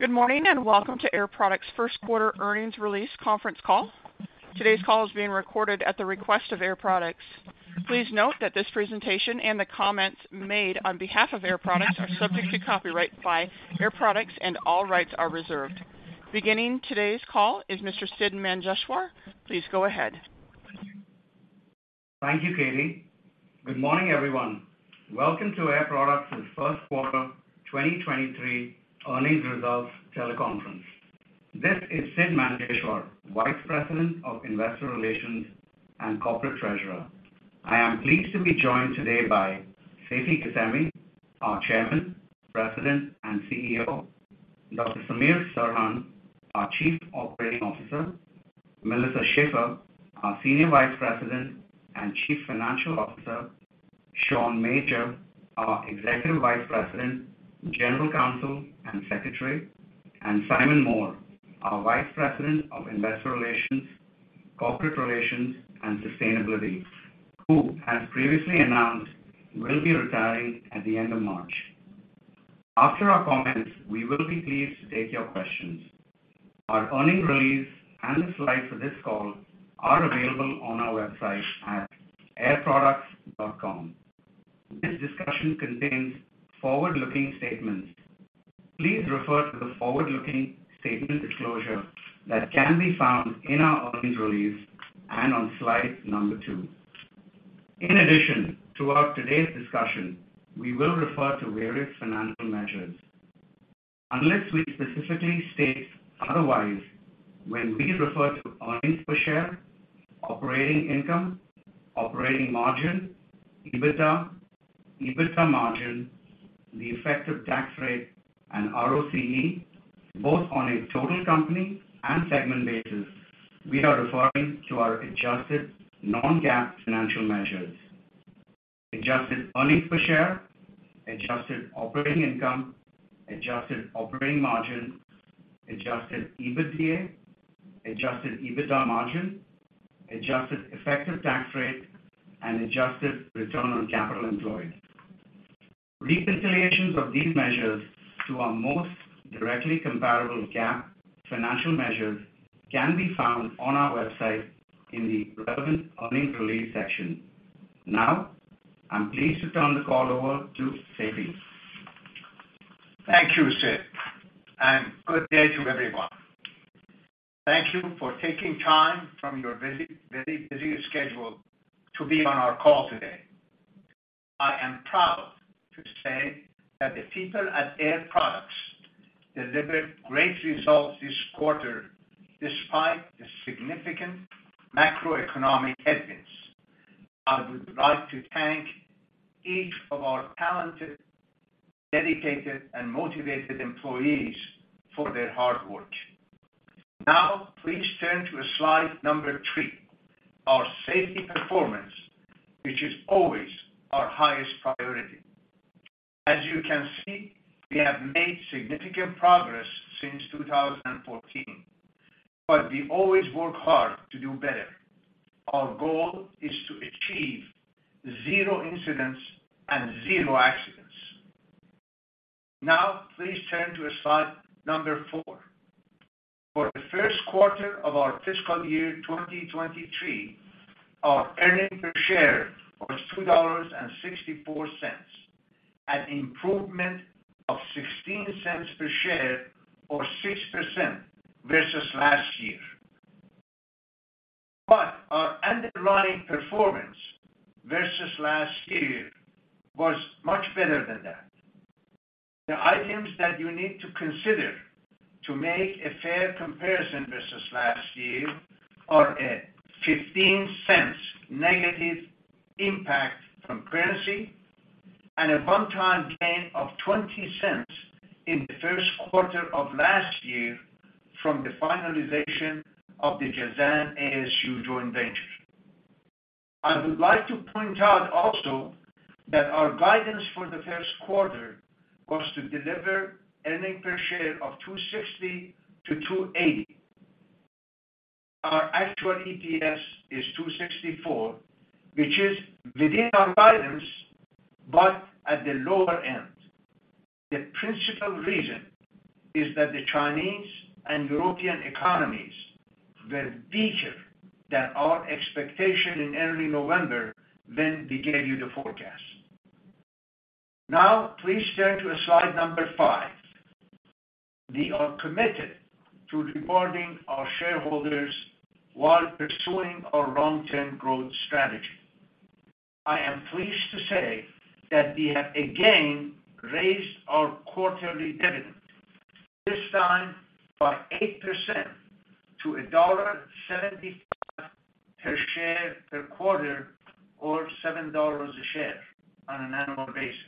Good morning. Welcome to Air Products first quarter earnings release conference call. Today's call is being recorded at the request of Air Products. Please note that this presentation and the comments made on behalf of Air Products are subject to copyright by Air Products and all rights are reserved. Beginning today's call is Mr. Siddharth Manjeshwar. Please go ahead. Thank you, Katie. Good morning, everyone. Welcome to Air Products' first quarter 2023 earnings results teleconference. This is Siddharth Manjeshwar, Vice President of Investor Relations and Corporate Treasurer. I am pleased to be joined today by Seifi Ghasemi, our Chairman, President, and CEO, Dr. Samir Serhan, our Chief Operating Officer, Melissa Schaeffer, our Senior Vice President and Chief Financial Officer, Sean Major, our Executive Vice President, General Counsel, and Secretary, and Simon Moore, our Vice President of Investor Relations, Corporate Relations, and Sustainability, who, as previously announced, will be retiring at the end of March. After our comments, we will be pleased to take your questions. Our earnings release and the slides for this call are available on our website at airproducts.com. This discussion contains forward-looking statements. Please refer to the forward-looking statement disclosure that can be found in our earnings release and on slide number 2. In addition, throughout today's discussion, we will refer to various financial measures. Unless we specifically state otherwise, when we refer to earnings per share, operating income, operating margin, EBITDA margin, the effective tax rate, and ROCE, both on a total company and segment basis, we are referring to our adjusted non-GAAP financial measures. Adjusted earnings per share, adjusted operating income, adjusted operating margin, adjusted EBITDA, adjusted EBITDA margin, adjusted effective tax rate, and adjusted return on capital employed. Reconciliations of these measures to our most directly comparable GAAP financial measures can be found on our website in the Relevant Earnings Release section. I'm pleased to turn the call over to Seifi. Thank you, Sid, good day to everyone. Thank you for taking time from your busy, very busy schedule to be on our call today. I am proud to say that the people at Air Products delivered great results this quarter despite the significant macroeconomic headwinds. I would like to thank each of our talented, dedicated, and motivated employees for their hard work. Now please turn to slide number 3, our safety performance, which is always our highest priority. As you can see, we have made significant progress since 2014, but we always work hard to do better. Our goal is to achieve zero incidents and zero accidents. Now please turn to slide number 4. For the first quarter of our fiscal year 2023, our earnings per share was $2.64, an improvement of $0.16 per share or 6% versus last year. Our underlying performance versus last year was much better than that. The items that you need to consider to make a fair comparison versus last year are a $0.15 negative impact from currency and a one-time gain of $0.20 in the first quarter of last year from the finalization of the Jazan ASU joint venture. I would like to point out also that our guidance for the first quarter was to deliver earning per share of $2.60-$2.80. Our actual EPS is $2.64, which is within our guidance, but at the lower end. The principal reason is that the Chinese and European economies were weaker than our expectation in early November when we gave you the forecast. Please turn to slide number 5. We are committed to rewarding our shareholders while pursuing our long-term growth strategy. I am pleased to say that we have again raised our quarterly dividend, this time by 8% to $1.75 per share per quarter or $7 a share on an annual basis,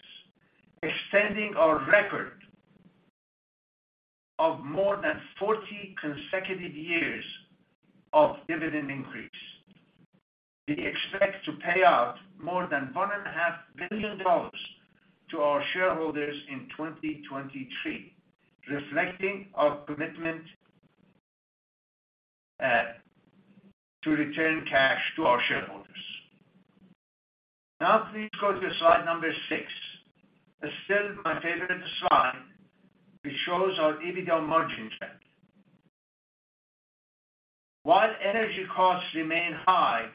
extending our record of more than 40 consecutive years of dividend increase. We expect to pay out more than one and a half billion dollars to our shareholders in 2023, reflecting our commitment to return cash to our shareholders. Now please go to slide 6. It's still my favorite slide. It shows our EBITDA margin trend. While energy costs remain high,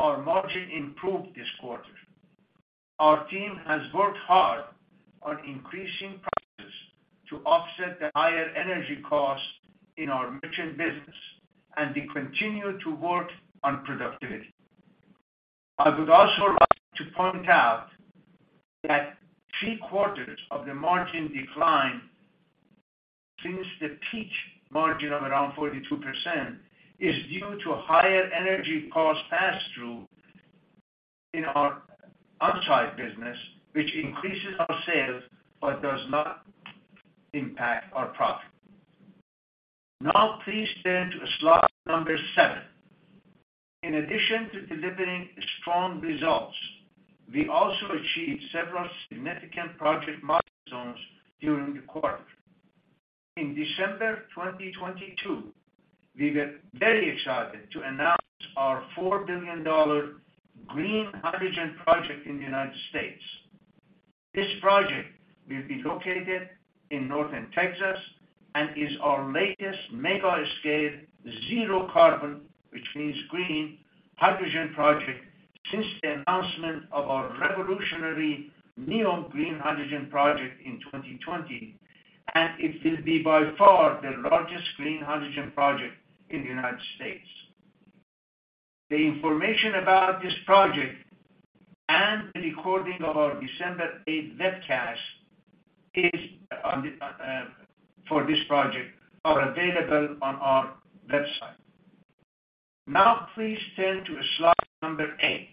our margin improved this quarter. Our team has worked hard on increasing prices to offset the higher energy costs in our merchant business, and they continue to work on productivity. I would also like to point out that three quarters of the margin decline since the peak margin of around 42% is due to higher energy cost passthrough in our on-site business, which increases our sales but does not impact our profit. Now please turn to slide number seven. In addition to delivering strong results, we also achieved several significant project milestones during the quarter. In December 2022, we were very excited to announce our $4 billion green hydrogen project in the United States. This project will be located in northern Texas and is our latest mega-scale zero carbon, which means green, hydrogen project since the announcement of our revolutionary NEOM green hydrogen project in 2020. It will be by far the largest green hydrogen project in the United States. The information about this project and the recording of our December 8th webcast for this project, are available on our website. Please turn to slide 8.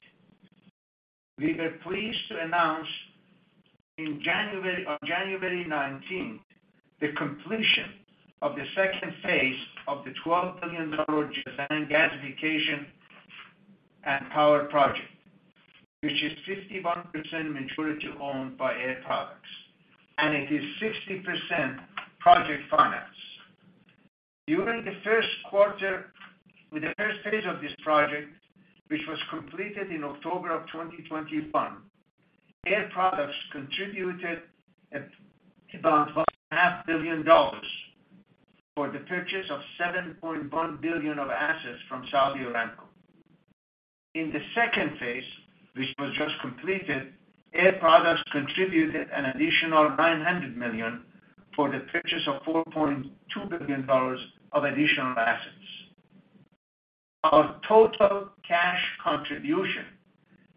We were pleased to announce in January, on January 19th, the completion of the second phase of the $12 billion Jazan gasification and power project, which is 51% majority owned by Air Products, and it is 60% project finance. With the first phase of this project, which was completed in October of 2021, Air Products contributed about one and a half billion dollars for the purchase of $7.1 billion of assets from Saudi Aramco. In the second phase, which was just completed, Air Products contributed an additional $900 million for the purchase of $4.2 billion of additional assets. Our total cash contribution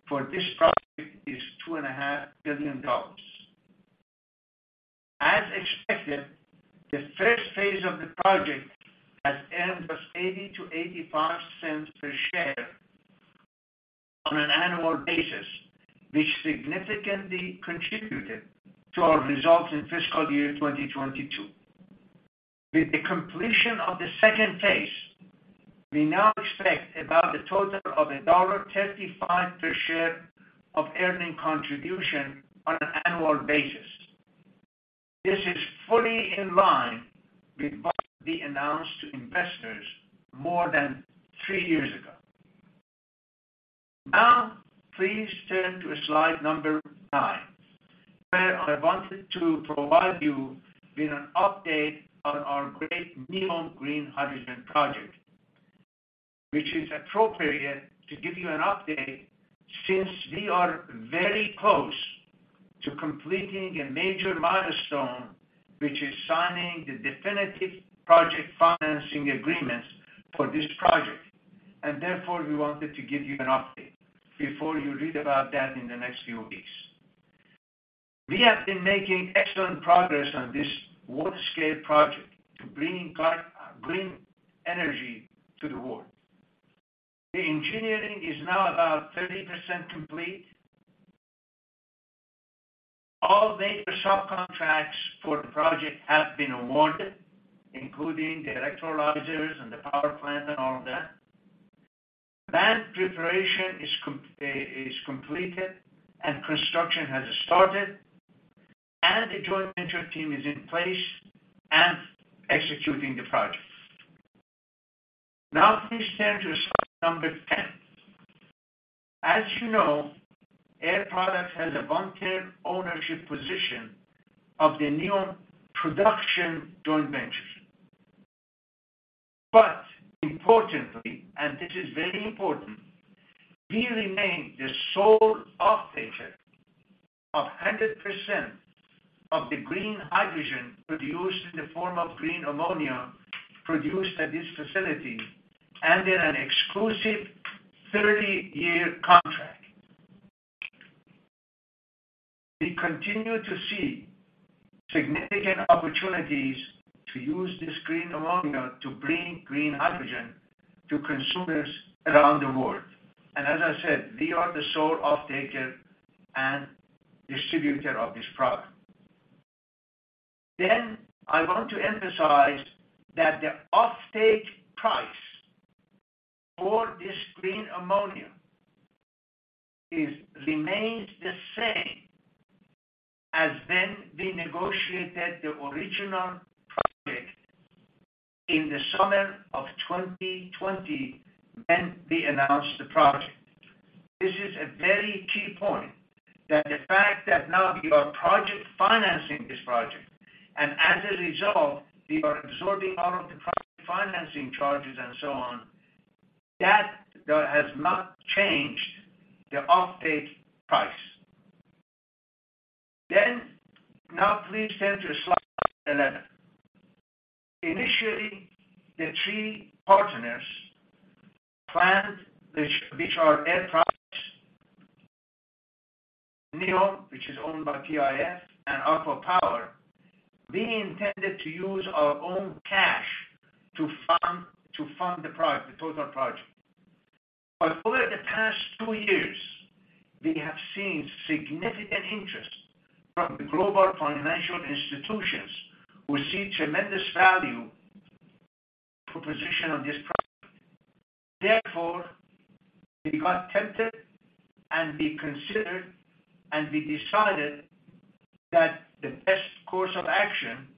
for this project is two and a half billion dollars. As expected, the first phase of the project has earned us $0.80-$0.85 per share on an annual basis, which significantly contributed to our results in fiscal year 2022. With the completion of the second phase, we now expect about a total of $1.35 per share of earning contribution on an annual basis. This is fully in line with what we announced to investors more than 3 years ago. Please turn to slide number 9, where I wanted to provide you with an update on our great NEOM green hydrogen project. Which is appropriate to give you an update since we are very close to completing a major milestone, which is signing the definitive project financing agreements for this project. Therefore, we wanted to give you an update before you read about that in the next few weeks. We have been making excellent progress on this world-scale project to bring green energy to the world. The engineering is now about 30% complete. All major subcontracts for the project have been awarded, including the electrolyzers and the power plant and all of that. Land preparation is completed and construction has started, and the joint venture team is in place and executing the project. Please turn to slide number 10. As you know, Air Products has a one-third ownership position of the NEOM Green Hydrogen Company. Importantly, and this is very important, we remain the sole offtaker of 100% of the green hydrogen produced in the form of green ammonia produced at this facility under an exclusive 30-year contract. We continue to see significant opportunities to use this green ammonia to bring green hydrogen to consumers around the world. As I said, we are the sole offtaker and distributor of this product. I want to emphasize that the offtake price for this green ammonia remains the same as when we negotiated the original project. In the summer of 2020 when we announced the project. This is a very key point, that the fact that now we are financing this project, and as a result, we are absorbing all of the project financing charges and so on, that has not changed the offtake price. Now please turn to slide 11. Initially, the three partners planned, which are Air Products, NEOM, which is owned by PIF, and ACWA Power. We intended to use our own cash to fund the total project. Over the past two years, we have seen significant interest from the global financial institutions who see tremendous value proposition on this project. We got tempted, and we considered, and we decided that the best course of action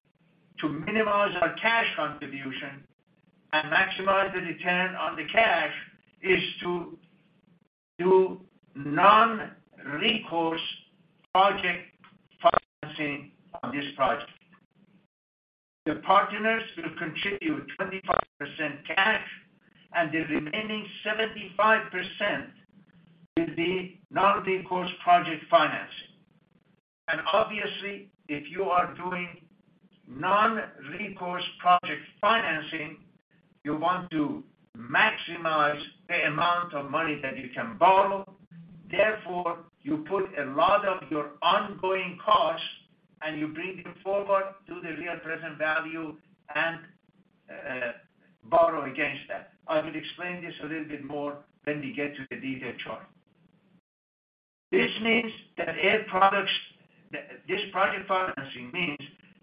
to minimize our cash contribution and maximize the return on the cash is to do non-recourse project financing on this project. The partners will contribute 25% cash, and the remaining 75% will be non-recourse project financing. Obviously, if you are doing non-recourse project financing, you want to maximize the amount of money that you can borrow. You put a lot of your ongoing costs, and you bring them forward to the real present value and borrow against that. I will explain this a little bit more when we get to the detailed chart. This means that Air Products. This project financing means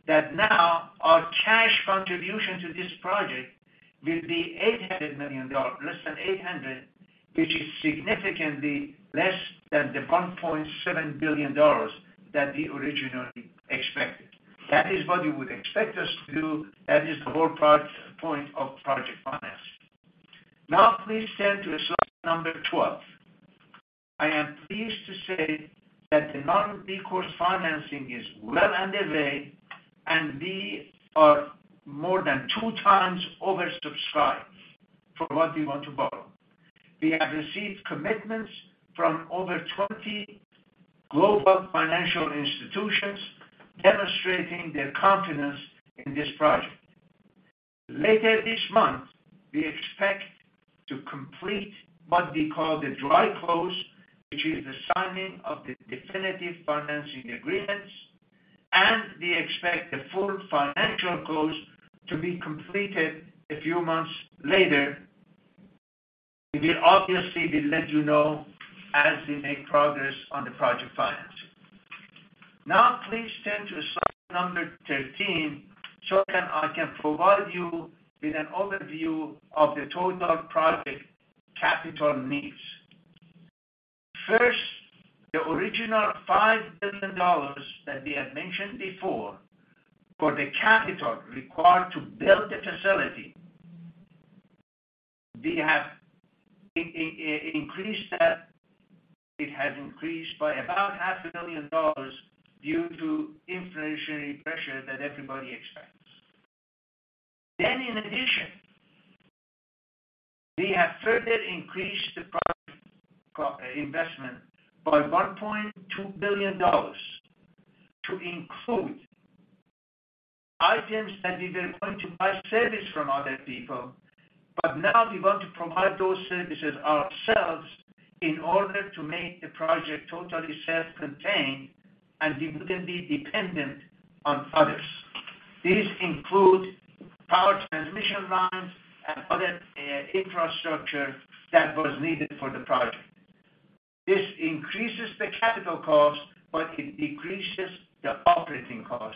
that now our cash contribution to this project will be $800 million, less than $800 million, which is significantly less than the $1.7 billion that we originally expected. That is what you would expect us to do. That is the whole point of project finance. Please turn to slide 12. I am pleased to say that the non-recourse financing is well underway, and we are more than 2 times oversubscribed for what we want to borrow. We have received commitments from over 20 global financial institutions demonstrating their confidence in this project. Later this month, we expect to complete what we call the dry close, which is the signing of the definitive financing agreements, and we expect the full financial close to be completed a few months later. We will obviously let you know as we make progress on the project financing. Please turn to slide number 13, so I can provide you with an overview of the total project capital needs. First, the original $5 billion that we had mentioned before for the capital required to build the facility, we have increased that. It has increased by about half a billion dollars due to inflationary pressure that everybody expects. In addition, we have further increased the project investment by $1.2 billion to include items that we were going to buy service from other people, but now we want to provide those services ourselves in order to make the project totally self-contained, and we wouldn't be dependent on others. These include power transmission lines and other infrastructure that was needed for the project. This increases the capital cost, but it decreases the operating cost.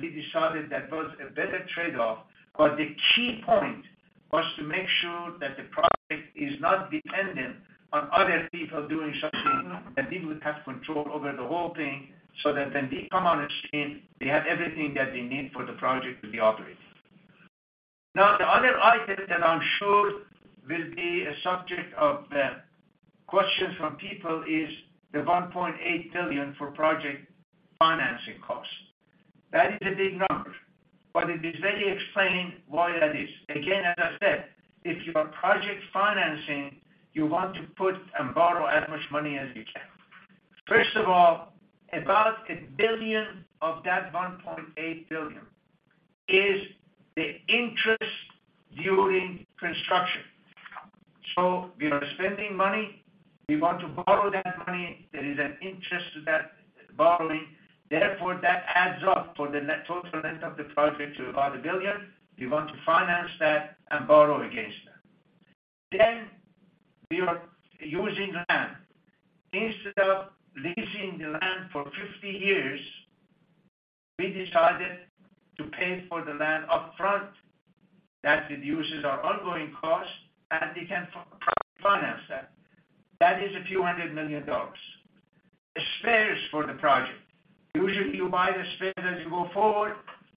We decided that was a better trade-off. The key point was to make sure that the project is not dependent on other people doing something, that we would have control over the whole thing, so that when we come on stream, we have everything that we need for the project to be operating. Now, the other item that I'm sure will be a subject of questions from people is the $1.8 billion for project financing costs. That is a big number, but it is very explained why that is. Again, as I said, if you are project financing, you want to put and borrow as much money as you can. First of all, about $1 billion of that $1.8 billion is the interest during construction. We are spending money. We want to borrow that money. There is an interest to that borrowing. That adds up for the net total length of the project to about $1 billion. We want to finance that and borrow against that. We are using land. Instead of leasing the land for 50 years, we decided to pay for the land up front. That reduces our ongoing cost, and we can finance that. That is a few hundred million dollars. The spares for the project. Usually, you buy the spares as you go forward.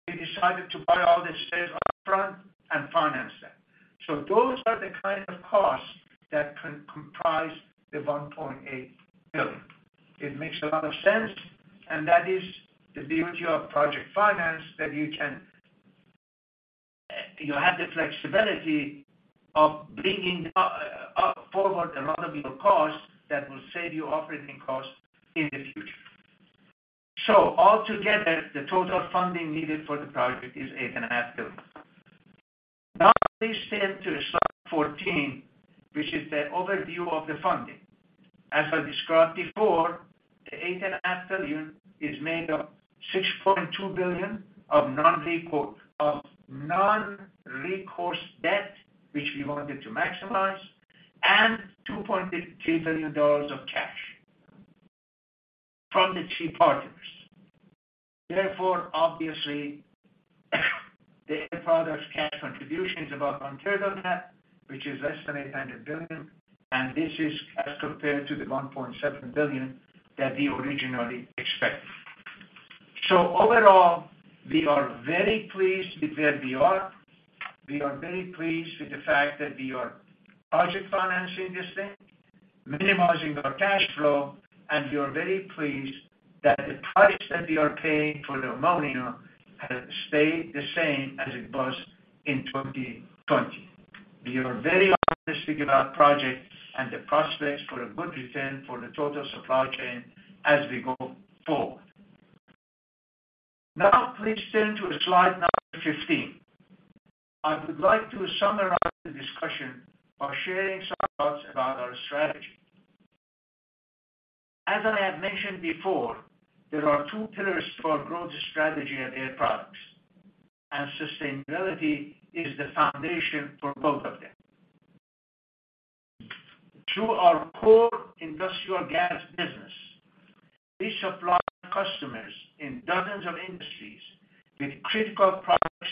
We decided to buy all the spares up front and finance them. Those are the kind of costs that can comprise the $1.8 billion. It makes a lot of sense, and that is the beauty of project finance, that you can You have the flexibility of bringing up forward a lot of your costs that will save you operating costs in the future. Altogether, the total funding needed for the project is $8.5 billion. Please turn to slide 14, which is the overview of the funding. As I described before, the $8.5 billion is made of $6.2 billion of non-recourse debt, which we wanted to maximize, and $2.3 billion of cash from the three partners. Therefore, obviously, Air Products' cash contribution is about one third of that, which is less than $800 billion, and this is as compared to the $1.7 billion that we originally expected. Overall, we are very pleased with where we are. We are very pleased with the fact that we are project financing this thing, minimizing our cash flow, and we are very pleased that the price that we are paying for the ammonia has stayed the same as it was in 2020. We are very optimistic about project and the prospects for a good return for the total supply chain as we go forward. Please turn to slide number 15. I would like to summarize the discussion by sharing some thoughts about our strategy. As I have mentioned before, there are two pillars to our growth strategy at Air Products, and sustainability is the foundation for both of them. Through our core industrial gas business, we supply customers in dozens of industries with critical products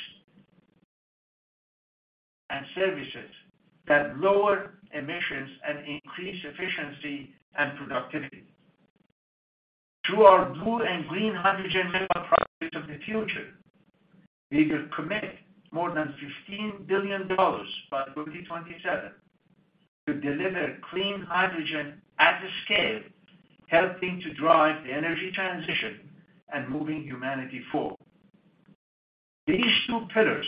and services that lower emissions and increase efficiency and productivity. Through our blue and green hydrogen mega projects of the future, we will commit more than $15 billion by 2027 to deliver clean hydrogen at scale, helping to drive the energy transition and moving humanity forward. These two pillars,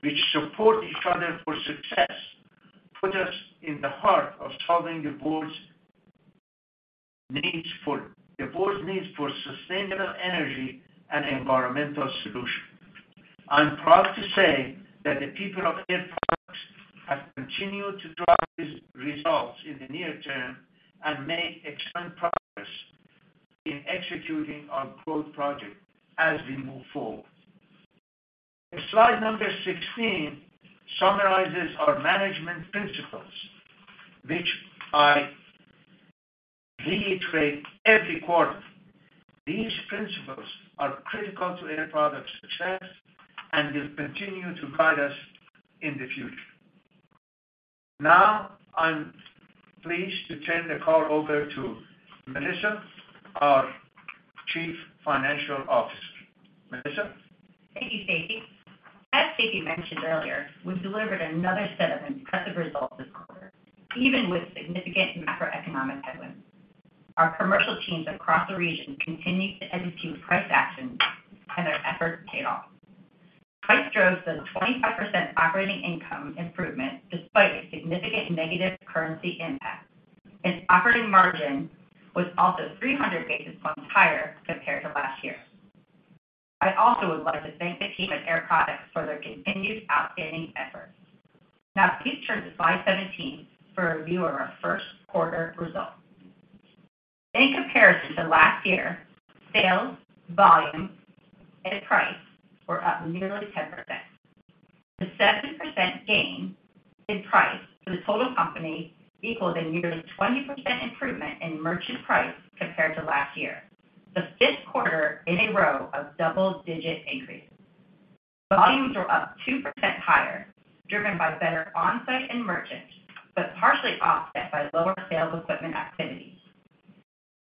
which support each other for success, put us in the heart of solving the world's needs for sustainable energy and environmental solutions. I'm proud to say that the people of Air Products have continued to drive these results in the near term and made excellent progress in executing our growth project as we move forward. Slide number 16 summarizes our management principles, which I reiterate every quarter. These principles are critical to Air Products' success and will continue to guide us in the future. I'm pleased to turn the call over to Melissa, our Chief Financial Officer. Melissa? Thank you, Seifi. As Seifi mentioned earlier, we've delivered another set of impressive results this quarter, even with significant macroeconomic headwinds. Our commercial teams across the region continued to execute price actions, and their efforts paid off. Price drove the 25% operating income improvement despite a significant negative currency impact, and operating margin was also 300 basis points higher compared to last year. I also would like to thank the team at Air Products for their continued outstanding efforts. Now please turn to slide 17 for a view of our first quarter results. In comparison to last year, sales volume and price were up nearly 10%. The 7% gain in price for the total company equals a nearly 20% improvement in merchant price compared to last year. The fifth quarter in a row of double-digit increases. Volumes were up 2% higher, driven by better on-site and merchant, partially offset by lower sales equipment activities.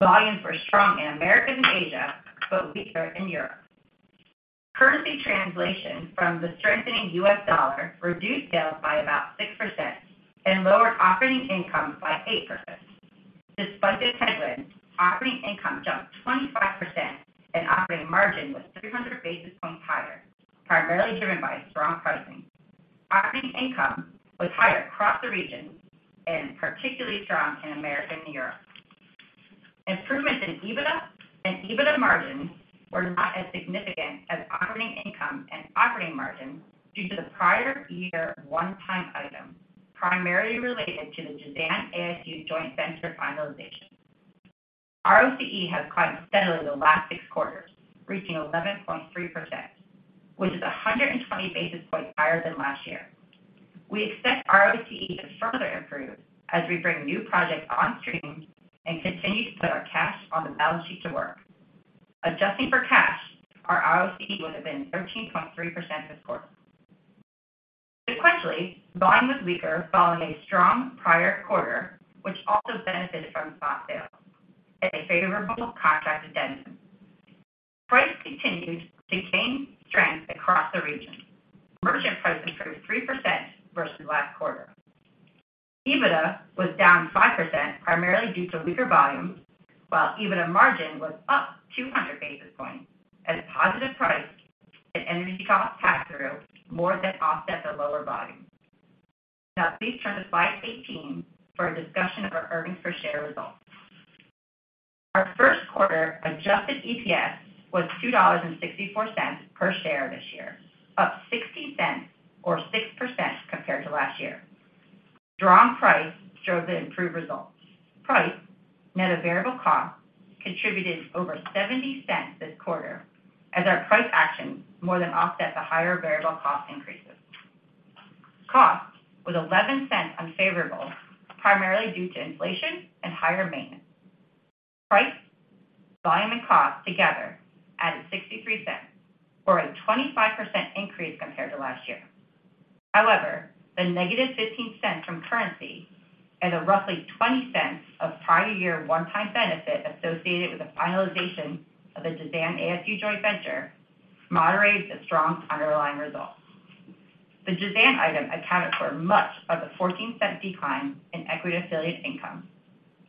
Volumes were strong in America and Asia, weaker in Europe. Currency translation from the strengthening U.S. dollar reduced sales by about 6% and lowered operating income by 8%. Despite the headwinds, operating income jumped 25%, operating margin was 300 basis points higher, primarily driven by strong pricing. Operating income was higher across the region and particularly strong in America and Europe. Improvements in EBITDA and EBITDA margin were not as significant as operating income and operating margin due to the prior year one-time item, primarily related to the Jazan ASU joint venture finalization. ROCE has climbed steadily the last six quarters, reaching 11.3%, which is 120 basis points higher than last year. We expect ROCE to further improve as we bring new projects on stream and continue to put our cash on the balance sheet to work. Adjusting for cash, our ROCE would have been 13.3% this quarter. Sequentially, volume was weaker following a strong prior quarter, which also benefited from spot sales and a favorable contracted demand. Price continued to gain strength across the region. Merchant price improved 3% versus last quarter. EBITDA was down 5% primarily due to weaker volume, while EBITDA margin was up 200 basis points as positive price and energy cost pass-through more than offset the lower volume. Please turn to slide 18 for a discussion of our earnings per share results. Our first quarter adjusted EPS was $2.64 per share this year, up $0.60 or 6% compared to last year. Strong price showed the improved results. Price net of variable cost contributed over $0.70 this quarter as our price action more than offset the higher variable cost increases. Cost was $0.11 unfavorable primarily due to inflation and higher maintenance. Price, volume, and cost together added $0.63 or a 25% increase compared to last year. The negative -$0.15 from currency and a roughly $0.20 of prior year one-time benefit associated with the finalization of the Jazan ASU joint venture moderated the strong underlying results. The Jazan item accounted for much of the $0.14 decline in equity affiliate income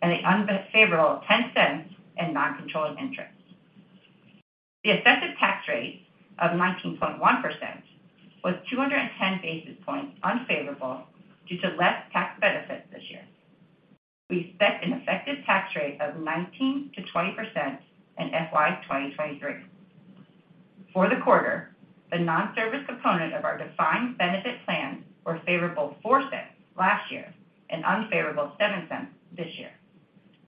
and the unfavorable $0.10 in non-controlling interest. The effective tax rate of 19.1% was 210 basis points unfavorable due to less tax benefits this year. We expect an effective tax rate of 19%-20% in FY2023. For the quarter, the non-service component of our defined benefit plan were favorable $0.04 last year and unfavorable $0.07 this year.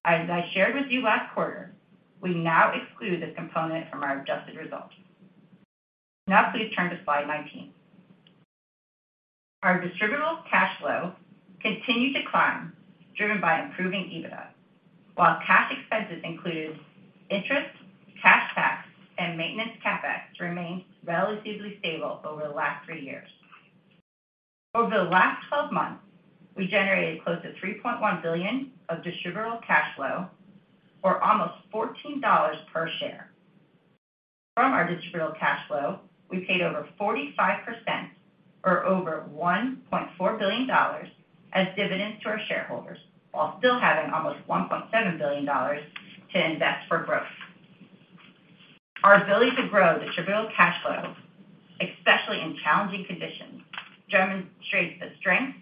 As I shared with you last quarter, we now exclude this component from our adjusted results. Now, please turn to slide 19. Our distributable cash flow continued to climb, driven by improving EBITDA. While cash expenses included interest, cash tax, and maintenance CapEx remained relatively stable over the last three years. Over the last 12 months, we generated close to $3.1 billion of distributable cash flow or almost $14 per share. From our distributable cash flow, we paid over 45% or over $1.4 billion as dividends to our shareholders, while still having almost $1.7 billion to invest for growth. Our ability to grow distributable cash flow, especially in challenging conditions, demonstrates the strength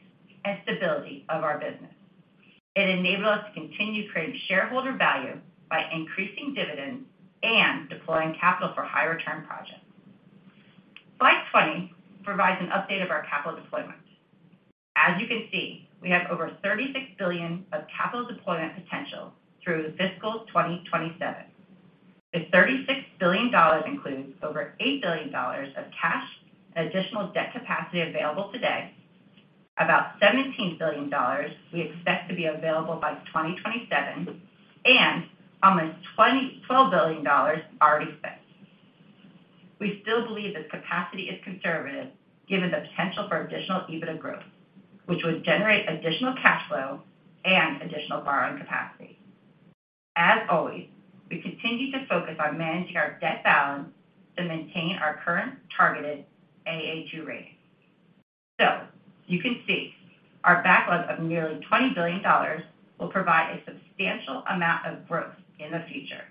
and stability of our business. It enables us to continue creating shareholder value by increasing dividends and deploying capital for high return projects. Slide 20 provides an update of our capital deployment. As you can see, we have over $36 billion of capital deployment potential through fiscal 2027. The $36 billion includes over $8 billion of cash and additional debt capacity available today. About $17 billion we expect to be available by 2027, and almost $12 billion already spent. We still believe this capacity is conservative given the potential for additional EBITDA growth, which would generate additional cash flow and additional borrowing capacity. As always, we continue to focus on managing our debt balance to maintain our current targeted A/A2 rating. You can see our backlog of nearly $20 billion will provide a substantial amount of growth in the future.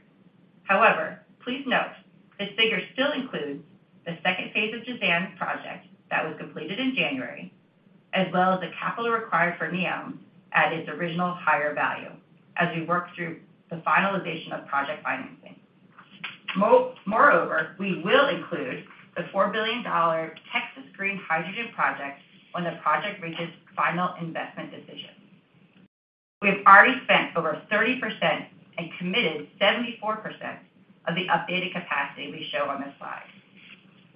However, please note this figure still includes the second phase of Jazan project that was completed in January, as well as the capital required for NEOM at its original higher value as we work through the finalization of project financing. Moreover, we will include the $4 billion Texas Green Hydrogen project when the project reaches final investment decision. We have already spent over 30% and committed 74% of the updated capacity we show on this slide.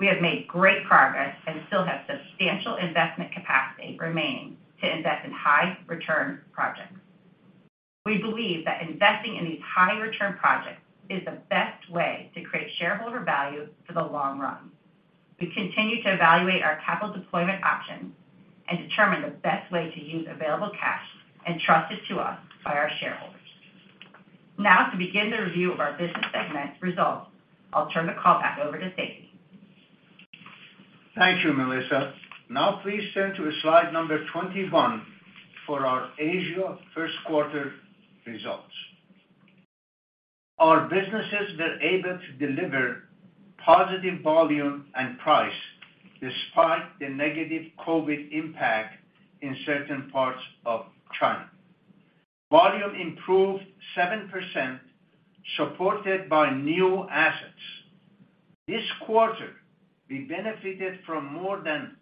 We have made great progress and still have substantial investment capacity remaining to invest in high return projects. We believe that investing in these high return projects is the best way to create shareholder value for the long run. We continue to evaluate our capital deployment options and determine the best way to use available cash entrusted to us by our shareholders. Now to begin the review of our business segment results, I'll turn the call back over to Seifi. Thank you, Melissa. Please turn to slide number 21 for our Asia first quarter results. Our businesses were able to deliver positive volume and price despite the negative COVID impact in certain parts of China. Volume improved 7%, supported by new assets. This quarter, we benefited from more than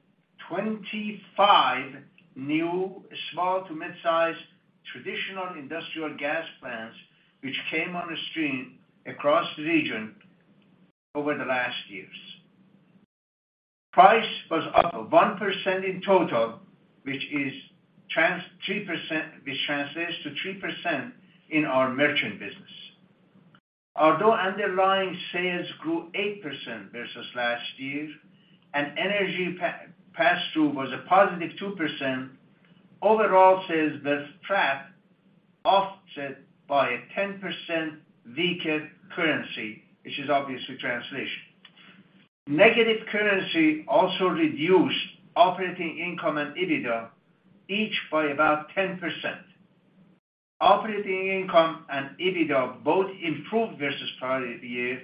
25 new small to mid-size traditional industrial gas plants, which came on the stream across the region over the last years. Price was up 1% in total, which translates to 3% in our merchant business. Although underlying sales grew 8% versus last year, and energy pass through was a positive 2%, overall sales were flat, offset by a 10% weaker currency, which is obviously translation. Negative currency also reduced operating income and EBITDA, each by about 10%. Operating income and EBITDA both improved versus prior year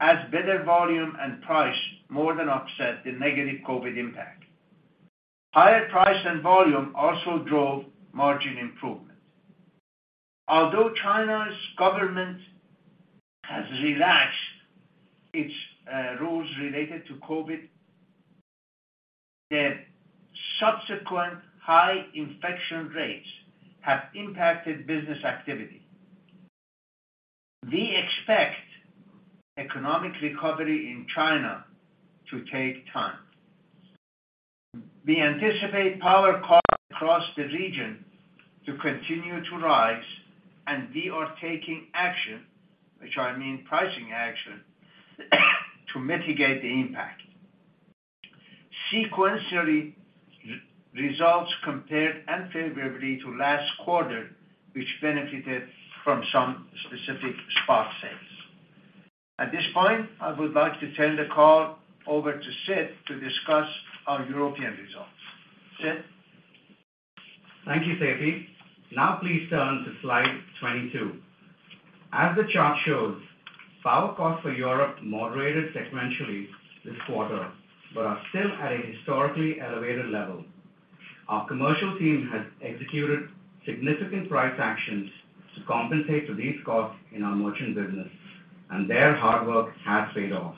as better volume and price more than offset the negative COVID impact. Higher price and volume also drove margin improvement. Although China's government has relaxed its rules related to COVID, the subsequent high infection rates have impacted business activity. We expect economic recovery in China to take time. We anticipate power costs across the region to continue to rise, and we are taking action, which I mean pricing action, to mitigate the impact. Sequentially, results compared unfavorably to last quarter, which benefited from some specific spot sales. At this point, I would like to turn the call over to Sid to discuss our European results. Sid? Thank you, Seifi. Please turn to slide 22. As the chart shows, power costs for Europe moderated sequentially this quarter, but are still at a historically elevated level. Our commercial team has executed significant price actions to compensate for these costs in our merchant business, and their hard work has paid off.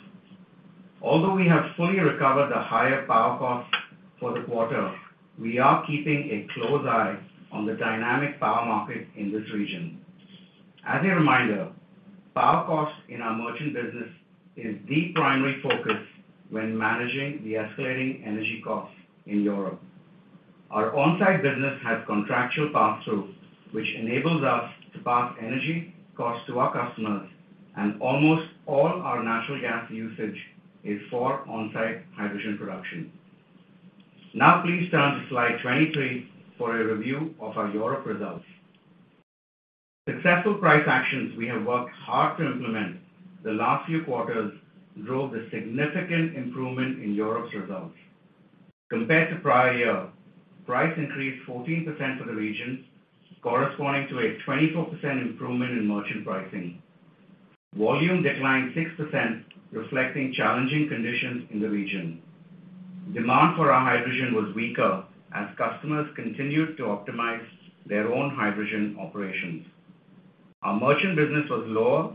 Although we have fully recovered the higher power costs for the quarter, we are keeping a close eye on the dynamic power market in this region. As a reminder, power costs in our merchant business is the primary focus when managing the escalating energy costs in Europe. Our on-site business has contractual pass-throughs, which enables us to pass energy costs to our customers, and almost all our natural gas usage is for on-site hydrogen production. Please turn to slide 23 for a review of our Europe results. Successful price actions we have worked hard to implement the last few quarters drove the significant improvement in Europe's results. Compared to prior year, price increased 14% for the region, corresponding to a 24% improvement in merchant pricing. Volume declined 6%, reflecting challenging conditions in the region. Demand for our hydrogen was weaker as customers continued to optimize their own hydrogen operations. Our merchant business was lower,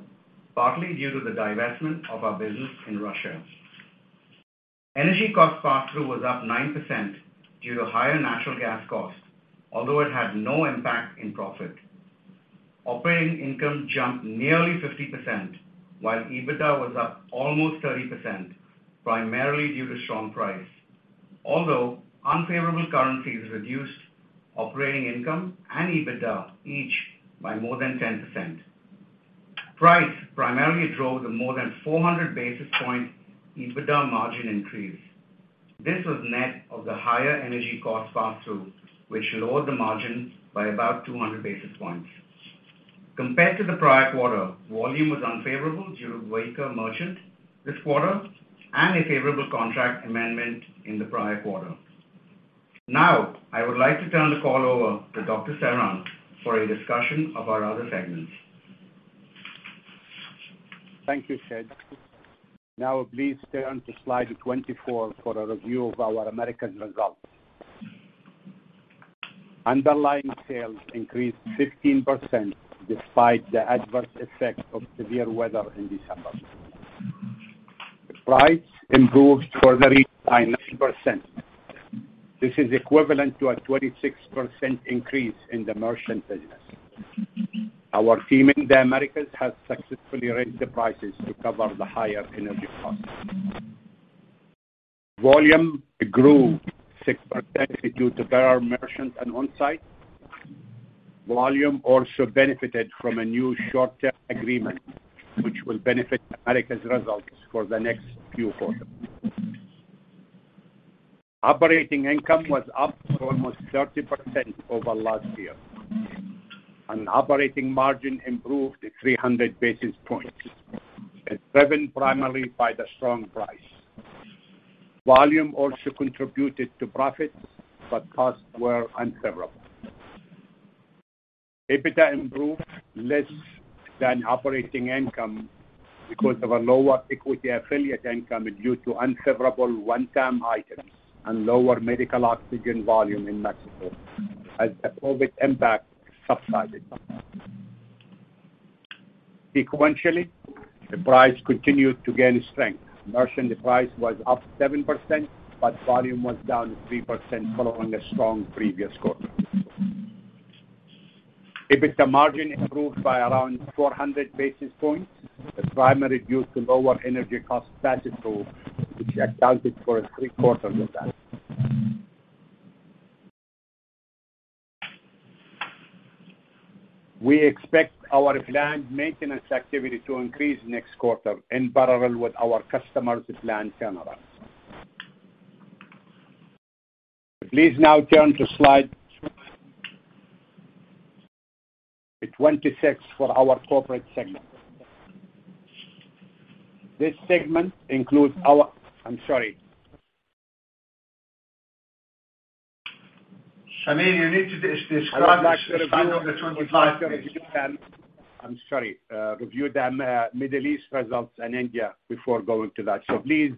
partly due to the divestment of our business in Russia. Energy cost pass-through was up 9% due to higher natural gas costs, although it had no impact in profit. Operating income jumped nearly 50%, while EBITDA was up almost 30%, primarily due to strong price. Unfavorable currencies reduced operating income and EBITDA each by more than 10%. Price primarily drove the more than 400 basis point EBITDA margin increase. This was net of the higher energy cost pass-through, which lowered the margin by about 200 basis points. Compared to the prior quarter, volume was unfavorable due to weaker merchant this quarter and a favorable contract amendment in the prior quarter. I would like to turn the call over to Dr. Serhan for a discussion of our other segments. Thank you, Sid. Please turn to slide 24 for a review of our Americas results. Underlying sales increased 15% despite the adverse effects of severe weather in December. The price improved quarterly by 9%. This is equivalent to a 26% increase in the merchant business. Our team in the Americas has successfully raised the prices to cover the higher energy costs. Volume grew 6% due to better merchant and on-site. Volume also benefited from a new short-term agreement, which will benefit America's results for the next few quarters. Operating income was up for almost 30% over last year, and operating margin improved to 300 basis points, driven primarily by the strong price. Volume also contributed to profits, but costs were unfavorable. EBITDA improved less than operating income because of a lower equity affiliate income due to unfavorable one-time items and lower medical oxygen volume in Mexico as the COVID impact subsided. Sequentially, the price continued to gain strength. Merchant price was up 7%, but volume was down 3% following a strong previous quarter. EBITDA margin improved by around 400 basis points, primarily due to lower energy cost pass-through, which accounted for three-quarters of that. We expect our planned maintenance activity to increase next quarter in parallel with our customers' planned turnarounds. Please now turn to slide 26 for our corporate segment. This segment includes our. I'm sorry. Samir, you need to describe the slide number 25 please. I would like to review, I'm sorry, review the Middle East results and India before going to that. Please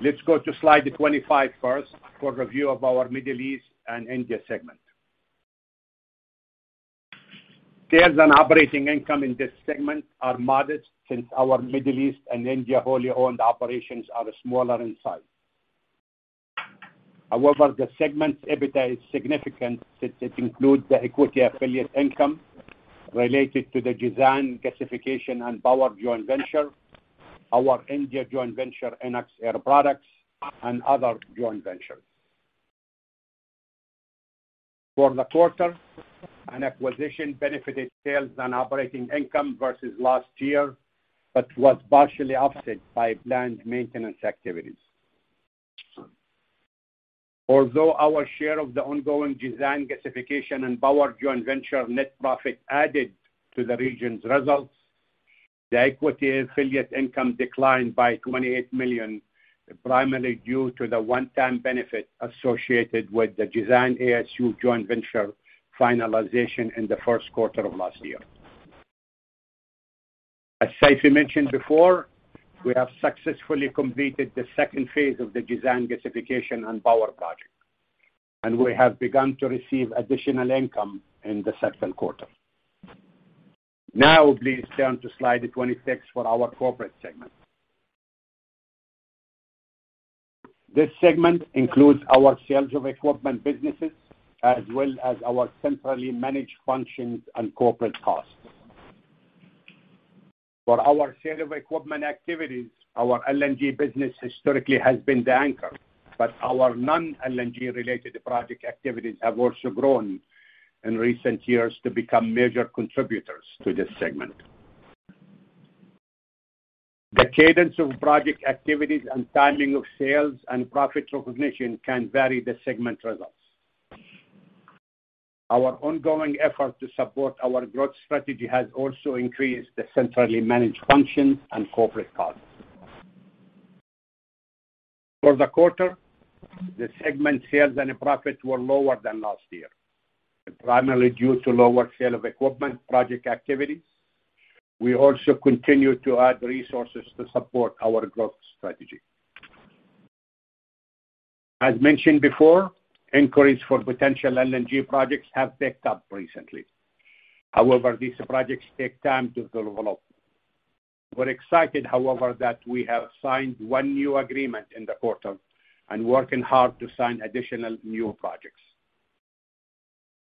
let's go to slide 25 first for review of our Middle East and India segment. Sales and operating income in this segment are modest since our Middle East and India wholly owned operations are smaller in size. However, the segment's EBITDA is significant since it includes the equity affiliate income related to the Jazan gasification and power joint venture, our India joint venture, INOX Air Products, and other joint ventures. For the quarter, an acquisition benefited sales and operating income versus last year, but was partially offset by planned maintenance activities. Although our share of the ongoing Jazan gasification and power joint venture net profit added to the region's results, the equity affiliate income declined by $28 million, primarily due to the one-time benefit associated with the Jazan ASU joint venture finalization in the first quarter of last year. As Seifi mentioned before, we have successfully completed the second phase of the Jazan gasification and power project, we have begun to receive additional income in the second quarter. Please turn to slide 26 for our corporate segment. This segment includes our sales of equipment businesses as well as our centrally managed functions and corporate costs. For our sale of equipment activities, our LNG business historically has been the anchor, our non-LNG related project activities have also grown in recent years to become major contributors to this segment. The cadence of project activities and timing of sales and profit recognition can vary the segment results. Our ongoing effort to support our growth strategy has also increased the centrally managed functions and corporate costs. For the quarter, the segment sales and profit were lower than last year, primarily due to lower sale of equipment project activities. We also continue to add resources to support our growth strategy. As mentioned before, inquiries for potential LNG projects have picked up recently. However, these projects take time to develop. We're excited, however, that we have signed one new agreement in the quarter and working hard to sign additional new projects.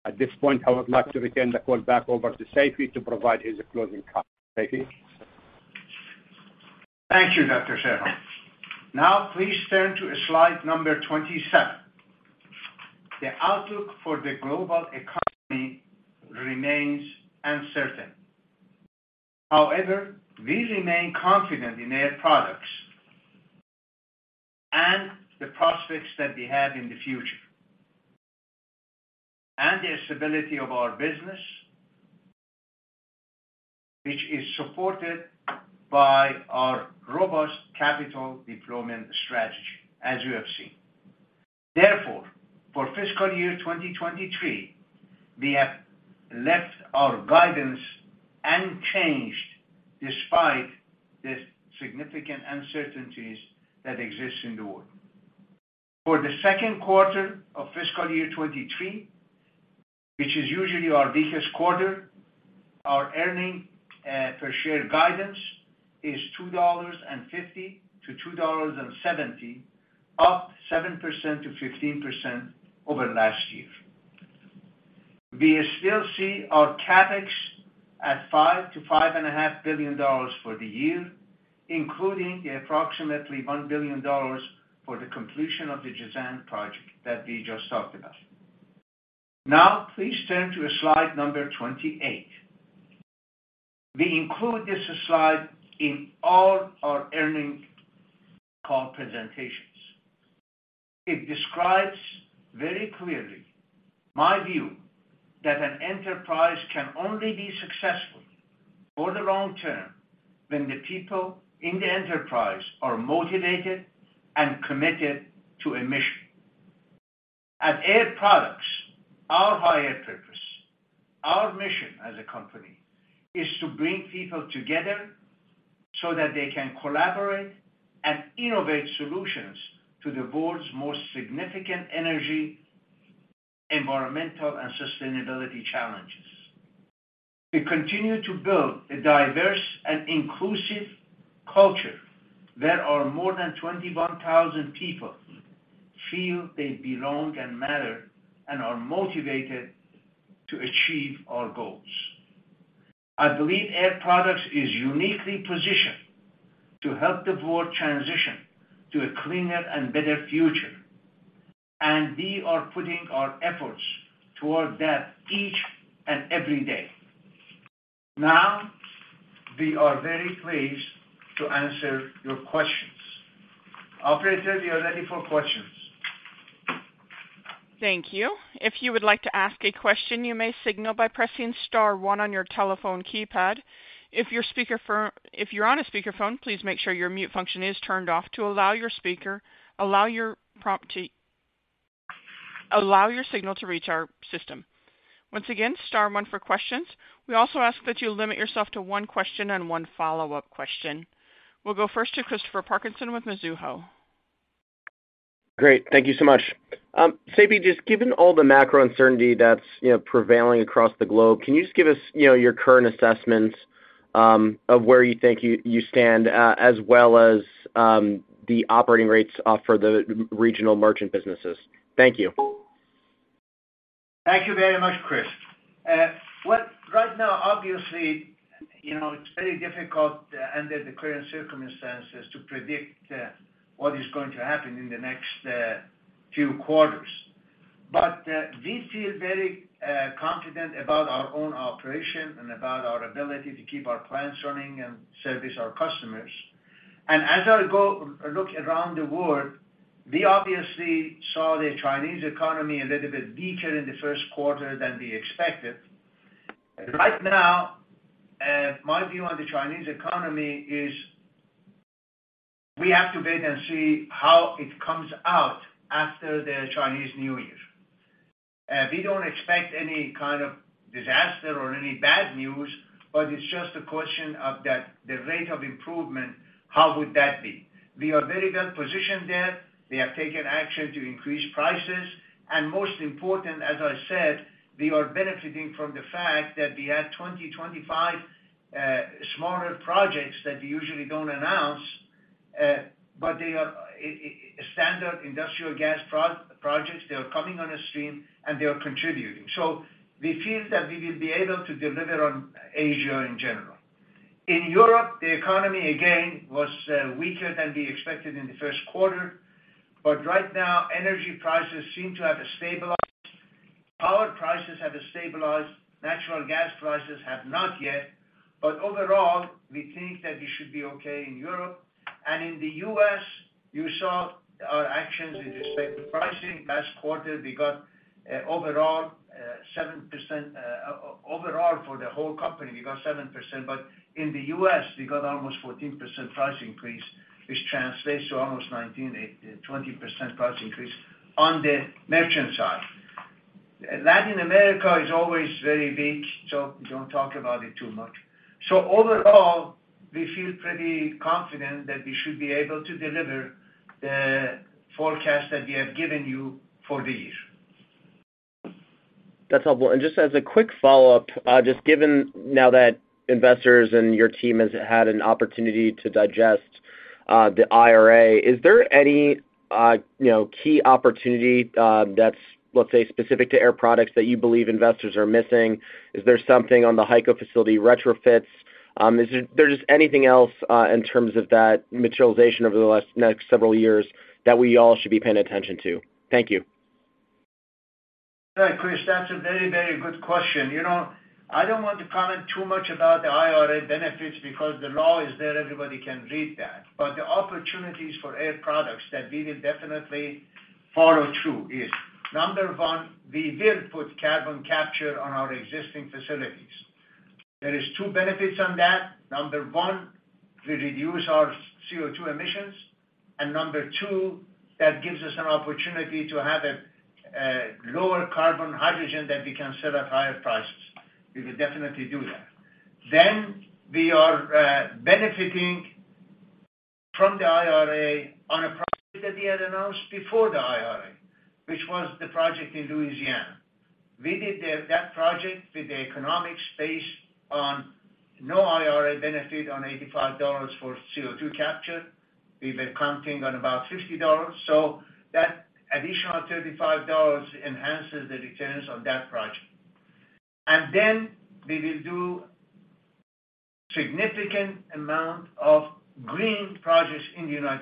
At this point, I would like to return the call back over to Seifi to provide his closing comments. Seifi? Thank you, Dr. Serhan. Now please turn to slide number 27. The outlook for the global economy remains uncertain. However, we remain confident in Air Products and the prospects that we have in the future, and the stability of our business, which is supported by our robust capital deployment strategy, as you have seen. Therefore, for FY2023, we have left our guidance unchanged despite the significant uncertainties that exist in the world. For the second quarter of FY2023, which is usually our weakest quarter, our earning per share guidance is $2.50-$2.70, up 7%-15% over last year. We still see our CapEx at $5 billion-$5.5 billion for the year, including the approximately $1 billion for the completion of the Jazan project that we just talked about. Please turn to slide number 28. We include this slide in all our earnings call presentations. It describes very clearly my view that an enterprise can only be successful for the long term when the people in the enterprise are motivated and committed to a mission. At Air Products, our higher purpose, our mission as a company is to bring people together so that they can collaborate and innovate solutions to the world's most significant energy, environmental, and sustainability challenges. We continue to build a diverse and inclusive culture where our more than 21,000 people feel they belong and matter and are motivated to achieve our goals. I believe Air Products is uniquely positioned to help the world transition to a cleaner and better future, and we are putting our efforts towards that each and every day. We are very pleased to answer your questions. Operator, we are ready for questions. Thank you. If you would like to ask a question, you may signal by pressing star one on your telephone keypad. If you're on a speakerphone, please make sure your mute function is turned off to allow your speaker, allow your signal to reach our system. Once again, star one for questions. We also ask that you limit yourself to one question and one follow-up question. We'll go first to Christopher Parkinson with Mizuho. Great. Thank you so much. Seifi, just given all the macro uncertainty that's, you know, prevailing across the globe, can you just give us, you know, your current assessments, of where you think you stand, as well as, the operating rates, for the regional merchant businesses? Thank you. Thank you very much, Chris. What right now, obviously, you know, it's very difficult under the current circumstances to predict what is going to happen in the next few quarters. We feel very confident about our own operation and about our ability to keep our plants running and service our customers. As I look around the world, we obviously saw the Chinese economy a little bit weaker in the first quarter than we expected. Right now, my view on the Chinese economy is we have to wait and see how it comes out after the Chinese New Year. We don't expect any kind of disaster or any bad news, but it's just a question of that, the rate of improvement, how would that be? We are very well positioned there. We have taken action to increase prices, and most important, as I said, we are benefiting from the fact that we had 20, 25 smaller projects that we usually don't announce, but they are standard industrial gas projects. They are coming on a stream, and they are contributing. We feel that we will be able to deliver on Asia in general. In Europe, the economy again was weaker than we expected in the first quarter, but right now energy prices seem to have stabilized. Power prices have stabilized. Natural gas prices have not yet, but overall, we think that we should be okay in Europe. In the U.S., you saw our actions with respect to pricing. Last quarter, we got overall 7%... Overall for the whole company, we got 7%, in the U.S., we got almost 14% price increase, which translates to almost 20% price increase on the merchant side. Latin America is always very big, we don't talk about it too much. Overall, we feel pretty confident that we should be able to deliver the forecast that we have given you for the year. That's helpful. Just as a quick follow-up, just given now that investors and your team has had an opportunity to digest the IRA, is there any, you know, key opportunity, that's, let's say, specific to Air Products that you believe investors are missing? Is there something on the HYCO facility retrofits? Is there just anything else, in terms of that materialization over the last, next several years that we all should be paying attention to? Thank you. Right, Chris. That's a very, very good question. You know, I don't want to comment too much about the IRA benefits because the law is there, everybody can read that. The opportunities for Air Products that we will definitely follow through is, number 1, we will put carbon capture on our existing facilities. There is 2 benefits on that. Number 1, we reduce our CO2 emissions, number 2, that gives us an opportunity to have a lower carbon hydrogen that we can sell at higher prices. We will definitely do that. We are benefiting from the IRA on a project that we had announced before the IRA, which was the project in Louisiana. We did that project with the economics based on no IRA benefit on $85 for CO2 capture. We were counting on about $50, that additional $35 enhances the returns on that project. We will do significant amount of green projects in the U.S.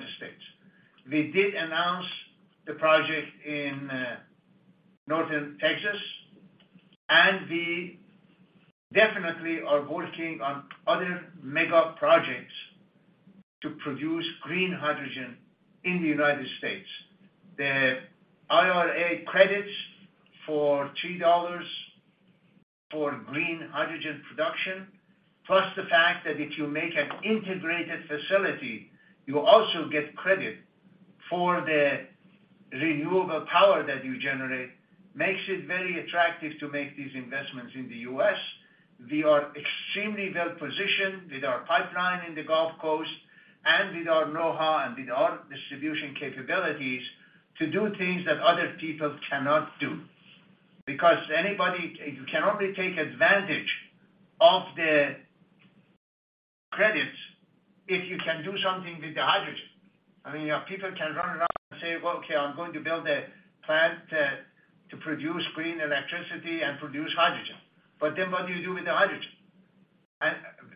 We did announce the project in northern Texas, and we definitely are working on other mega projects to produce green hydrogen in the U.S. The IRA credits for $3 for green hydrogen production, plus the fact that if you make an integrated facility, you also get credit for the renewable power that you generate, makes it very attractive to make these investments in the U.S. We are extremely well positioned with our pipeline in the Gulf Coast and with our know-how and with our distribution capabilities to do things that other people cannot do. Because anybody, you can only take advantage of the credits, if you can do something with the hydrogen. I mean, people can run around and say, "Well, okay, I'm going to build a plant to produce green electricity and produce hydrogen." What do you do with the hydrogen?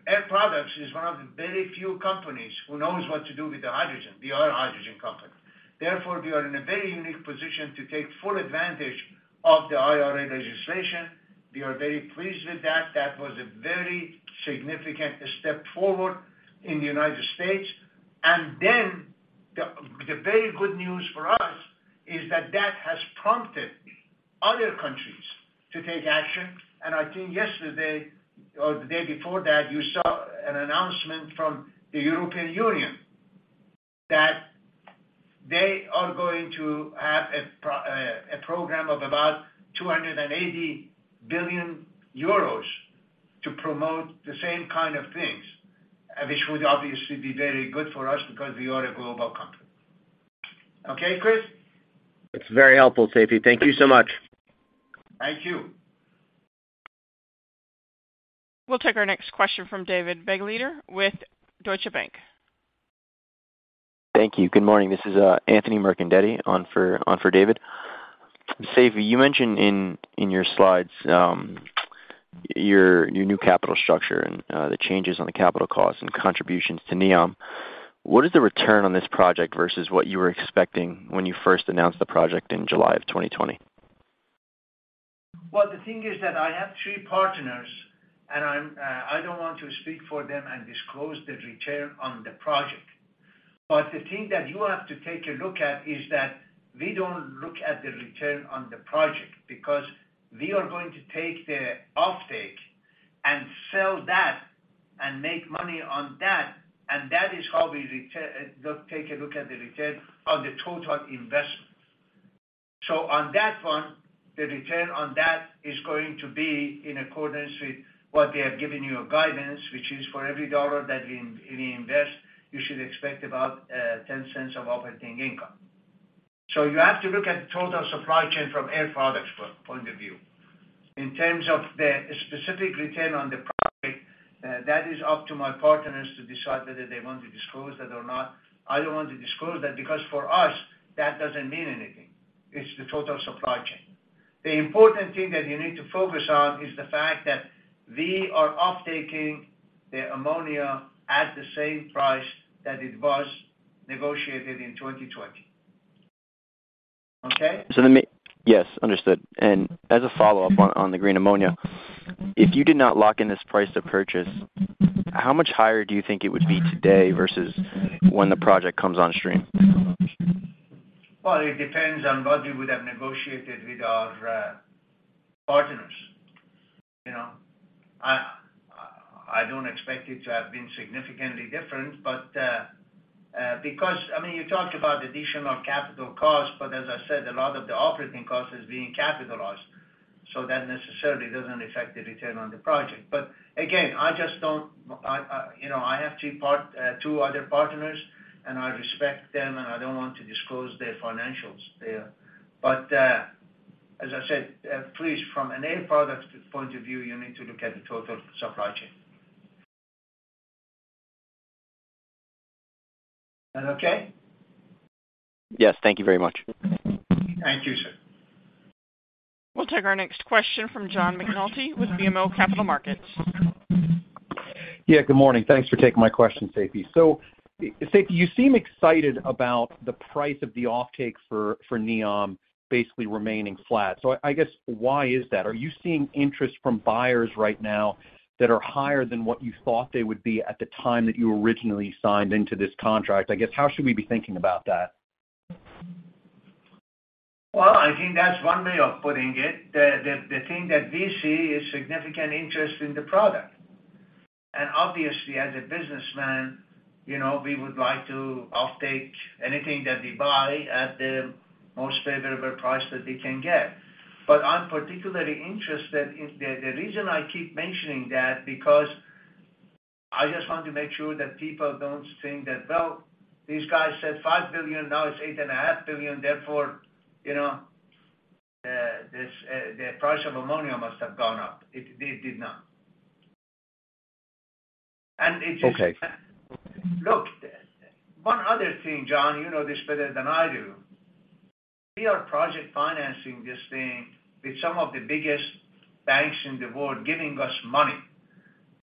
Air Products is one of the very few companies who knows what to do with the hydrogen. We are a hydrogen company. Therefore, we are in a very unique position to take full advantage of the IRA legislation. We are very pleased with that. That was a very significant step forward in the United States. The very good news for us is that that has prompted other countries to take action. I think yesterday or the day before that, you saw an announcement from the European Union that they are going to have a program of about 280 billion euros to promote the same kind of things, which would obviously be very good for us because we are a global company. Okay, Chris? It's very helpful, Seifi. Thank you so much. Thank you. We'll take our next question from David Begleiter with Deutsche Bank. Thank you. Good morning. This is Anthony Mercandetti on for David. Seifi, you mentioned in your slides, your new capital structure and the changes on the capital costs and contributions to NEOM. What is the return on this project versus what you were expecting when you first announced the project in July 2020? Well, the thing is that I have three partners, and I'm, I don't want to speak for them and disclose the return on the project. The thing that you have to take a look at is that we don't look at the return on the project because we are going to take the offtake and sell that and make money on that, and that is how we take a look at the return on the total investment. On that one, the return on that is going to be in accordance with what they have given you a guidance, which is for every dollar that we invest, you should expect about $0.10 of operating income. You have to look at total supply chain from Air Products point of view. In terms of the specific return on the project, that is up to my partners to decide whether they want to disclose that or not. I don't want to disclose that because for us, that doesn't mean anything. It's the total supply chain. The important thing that you need to focus on is the fact that we are offtaking the ammonia at the same price that it was negotiated in 2020. Okay? Yes, understood. As a follow-up on the green ammonia, if you did not lock in this price to purchase, how much higher do you think it would be today versus when the project comes on stream? It depends on what we would have negotiated with our partners. You know? I don't expect it to have been significantly different, but because I mean, you talked about additional capital costs, but as I said, a lot of the operating cost is being capitalized, so that necessarily doesn't affect the return on the project. Again, I just don't, I, you know, I have two other partners, and I respect them, and I don't want to disclose their financials. As I said, please, from an Air Products point of view, you need to look at the total supply chain. That okay? Yes. Thank you very much. Thank you, sir. We'll take our next question from John McNulty with BMO Capital Markets. Yeah, good morning. Thanks for taking my question, Seifi. Seifi, you seem excited about the price of the offtake for NEOM basically remaining flat. I guess why is that? Are you seeing interest from buyers right now that are higher than what you thought they would be at the time that you originally signed into this contract? I guess how should we be thinking about that? Well, I think that's one way of putting it. The thing that we see is significant interest in the product. Obviously, as a businessman, you know, we would like to offtake anything that we buy at the most favorable price that we can get. I'm particularly interested in... The reason I keep mentioning that because I just want to make sure that people don't think that, well, these guys said $5 billion, now it's $8.5 billion, therefore, you know, the price of ammonia must have gone up. It did not. It just... Okay. Look, one other thing, John, you know this better than I do. We are project financing this thing with some of the biggest banks in the world giving us money.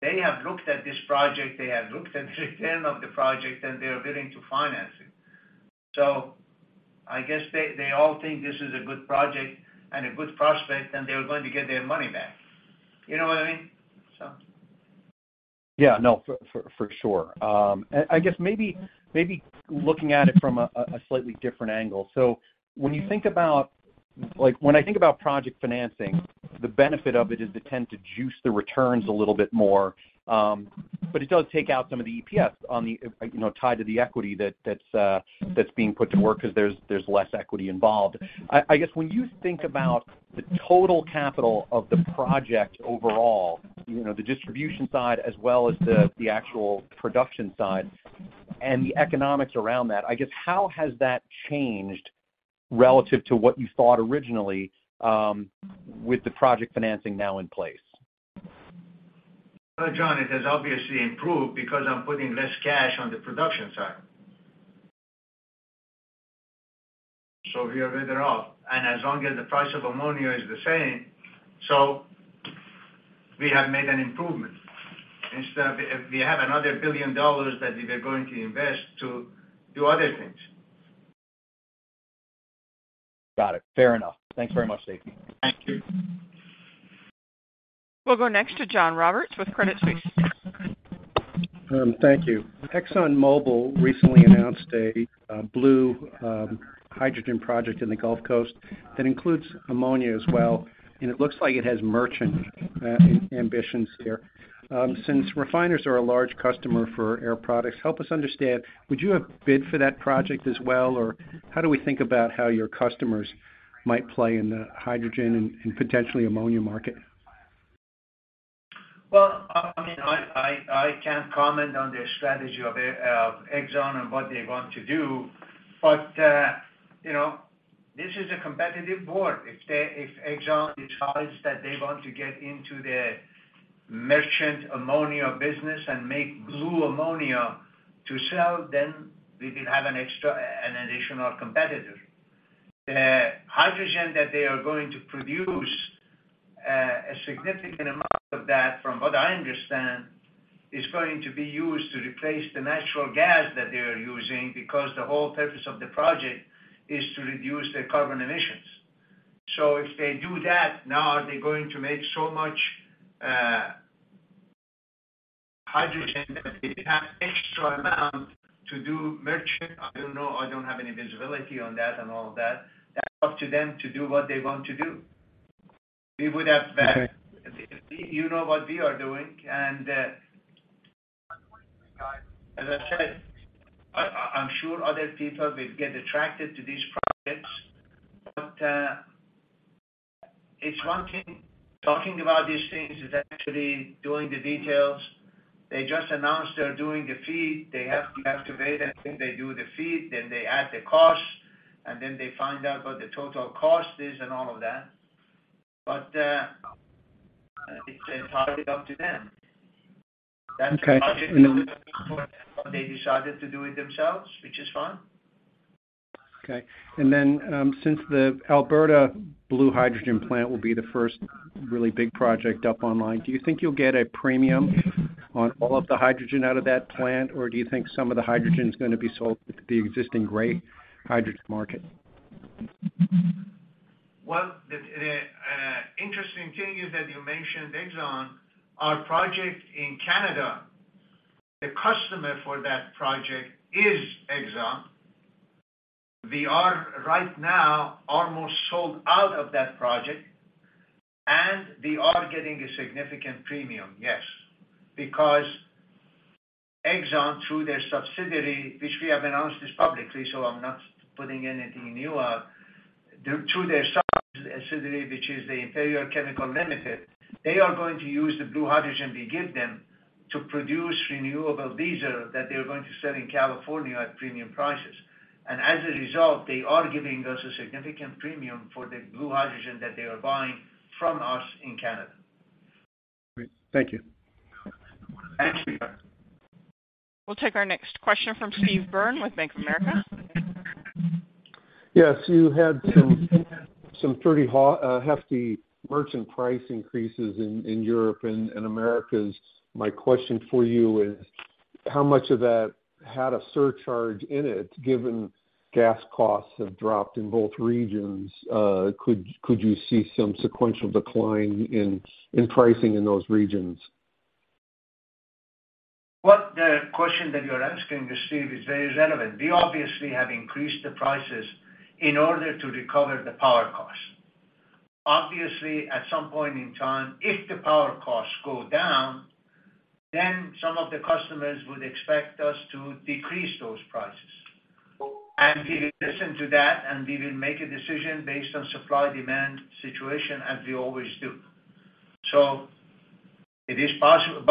They have looked at this project, they have looked at the return of the project, and they are willing to finance it. I guess they all think this is a good project and a good prospect, and they are going to get their money back. You know what I mean? Yeah, no, for sure. I guess maybe looking at it from a slightly different angle. When you think about... Like, when I think about project financing, the benefit of it is they tend to juice the returns a little bit more, but it does take out some of the EPS on the, you know, tied to the equity that's being put to work because there's less equity involved. I guess when you think about the total capital of the project overall, you know, the distribution side as well as the actual production side and the economics around that, I guess how has that changed relative to what you thought originally with the project financing now in place? Well, John, it has obviously improved because I'm putting less cash on the production side. We are better off. As long as the price of ammonia is the same, so we have made an improvement. If we have another $1 billion that we were going to invest to do other things. Got it. Fair enough. Thanks very much, Seifi. Thank you. We'll go next to John Roberts with Credit Suisse. Thank you. ExxonMobil recently announced a blue hydrogen project in the Gulf Coast that includes ammonia as well, and it looks like it has merchant ambitions there. Since refiners are a large customer for Air Products, help us understand, would you have bid for that project as well? How do we think about how your customers might play in the hydrogen and potentially ammonia market? Well, I mean, I can't comment on their strategy of Exxon and what they want to do. You know, this is a competitive board. If Exxon decides that they want to get into the merchant ammonia business and make blue ammonia to sell, then we will have an additional competitor. Hydrogen that they are going to produce, a significant amount of that, from what I understand, is going to be used to replace the natural gas that they are using because the whole purpose of the project is to reduce their carbon emissions. If they do that, now are they going to make so much hydrogen that they have extra amount to do merchant? I don't know. I don't have any visibility on that and all of that. That's up to them to do what they want to do. We would have. Okay. You know what we are doing. As I said, I'm sure other people will get attracted to these projects. It's one thing talking about these things. It's actually doing the details. They just announced they're doing the FEED. They have to activate it. Then they do the FEED, then they add the costs, and then they find out what the total cost is and all of that. It's entirely up to them. Okay. Then. That's a project they decided to do it themselves, which is fine. Okay. Since the Alberta Blue Hydrogen plant will be the first really big project up online, do you think you'll get a premium on all of the hydrogen out of that plant, or do you think some of the hydrogen is gonna be sold to the existing gray hydrogen market? The interesting thing is that you mentioned Exxon. Our project in Canada, the customer for that project is Exxon. We are right now almost sold out of that project, and we are getting a significant premium, yes. Exxon, through their subsidiary, which we have announced this publicly, so I'm not putting anything new out, through their subsidiary, which is the Imperial Oil Limited, they are going to use the blue hydrogen we give them to produce renewable diesel that they're going to sell in California at premium prices. As a result, they are giving us a significant premium for the blue hydrogen that they are buying from us in Canada. Great. Thank you. Thanks. We'll take our next question from Steve Byrne with Bank of America. Yes. You had some pretty hefty merchant price increases in Europe and Americas. My question for you is, how much of that had a surcharge in it, given gas costs have dropped in both regions? Could you see some sequential decline in pricing in those regions? What the question that you're asking, Steve, is very relevant. We obviously have increased the prices in order to recover the power costs. At some point in time, if the power costs go down, some of the customers would expect us to decrease those prices. We will listen to that, and we will make a decision based on supply-demand situation as we always do. It is possible.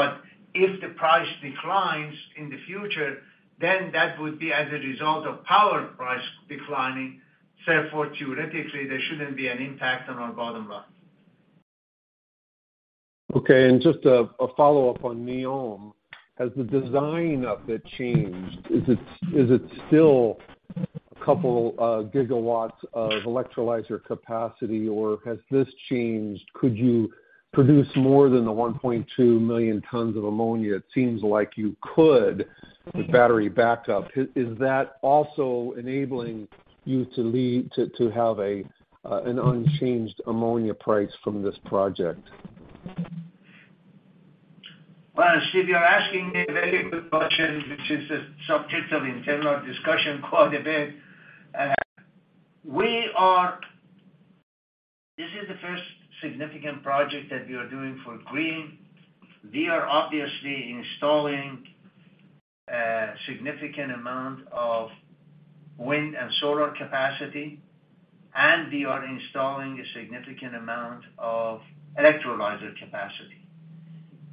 If the price declines in the future, that would be as a result of power price declining. Therefore, theoretically, there shouldn't be an impact on our bottom line. Okay. Just a follow-up on NEOM. Has the design of it changed? Is it still a couple of gigawatts of electrolyzer capacity, or has this changed? Could you produce more than the 1.2 million tons of ammonia? It seems like you could with battery backup. Is that also enabling you to have an unchanged ammonia price from this project? Well, Steve, you're asking a very good question, which is a subject of internal discussion quite a bit. This is the first significant project that we are doing for green. We are obviously installing a significant amount of wind and solar capacity, and we are installing a significant amount of electrolyzer capacity.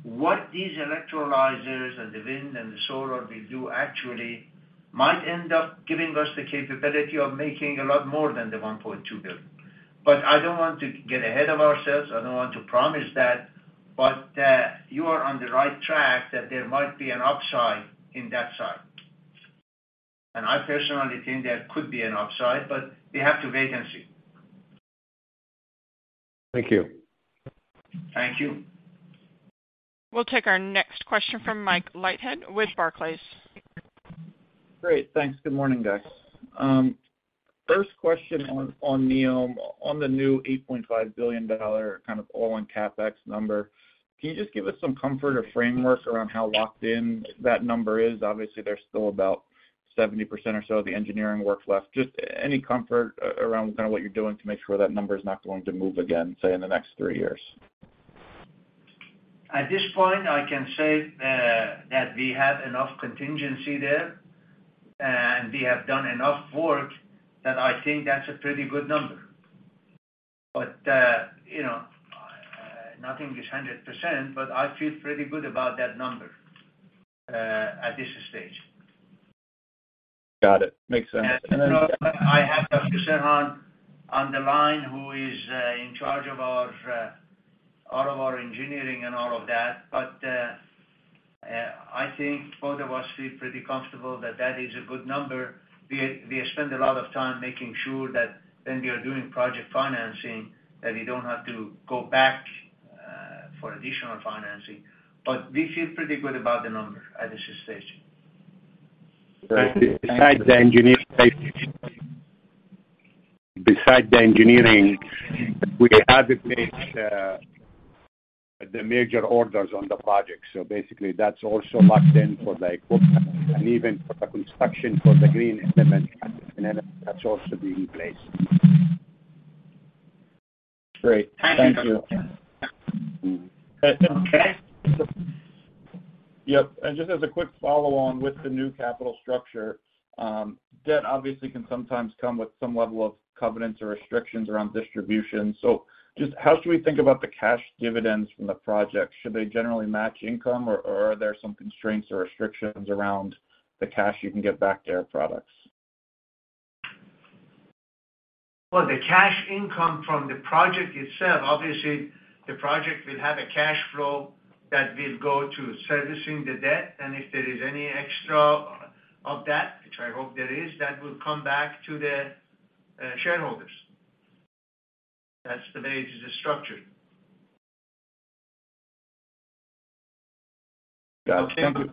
What these electrolyzers and the wind and the solar will do actually might end up giving us the capability of making a lot more than $1.2 billion. I don't want to get ahead of ourselves, I don't want to promise that, but you are on the right track that there might be an upside in that side. I personally think there could be an upside, but we have to wait and see. Thank you. Thank you. We'll take our next question from Mike Leithead with Barclays. Great. Thanks. Good morning, guys. First question on NEOM, on the new $8.5 billion kind of all in CapEx number. Can you just give us some comfort or framework around how locked in that number is? Obviously, there's still about 70% or so of the engineering work left. Just any comfort around kind of what you're doing to make sure that number is not going to move again, say, in the next three years. At this point, I can say, that we have enough contingency there, and we have done enough work that I think that's a pretty good number. You know, nothing is 100%, but I feel pretty good about that number at this stage. Got it. Makes sense. I have Dr. Serhan on the line, who is in charge of our all of our engineering and all of that. I think both of us feel pretty comfortable that that is a good number. We spend a lot of time making sure that when we are doing project financing, that we don't have to go back for additional financing. We feel pretty good about the number at this stage. Besides the engineering, we have placed the major orders on the project. Basically, that's also locked in for the equipment and even for the construction for the green element. That's also being in place. Great. Thank you. Okay. Yep. Just as a quick follow on with the new capital structure, debt obviously can sometimes come with some level of covenants or restrictions around distribution. Just how should we think about the cash dividends from the project? Should they generally match income or are there some constraints or restrictions around the cash you can get back to Air Products? Well, the cash income from the project itself, obviously the project will have a cash flow that will go to servicing the debt, and if there is any extra of that, which I hope there is, that will come back to the shareholders. That's the way it is structured. Got it. Thank you.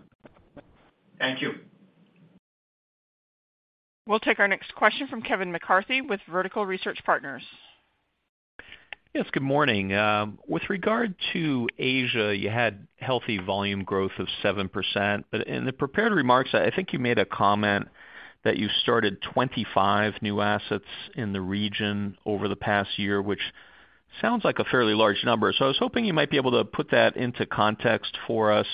Thank you. We'll take our next question from Kevin McCarthy with Vertical Research Partners. Yes, good morning. With regard to Asia, you had healthy volume growth of 7%. In the prepared remarks, I think you made a comment that you started 25 new assets in the region over the past year, which sounds like a fairly large number. I was hoping you might be able to put that into context for us.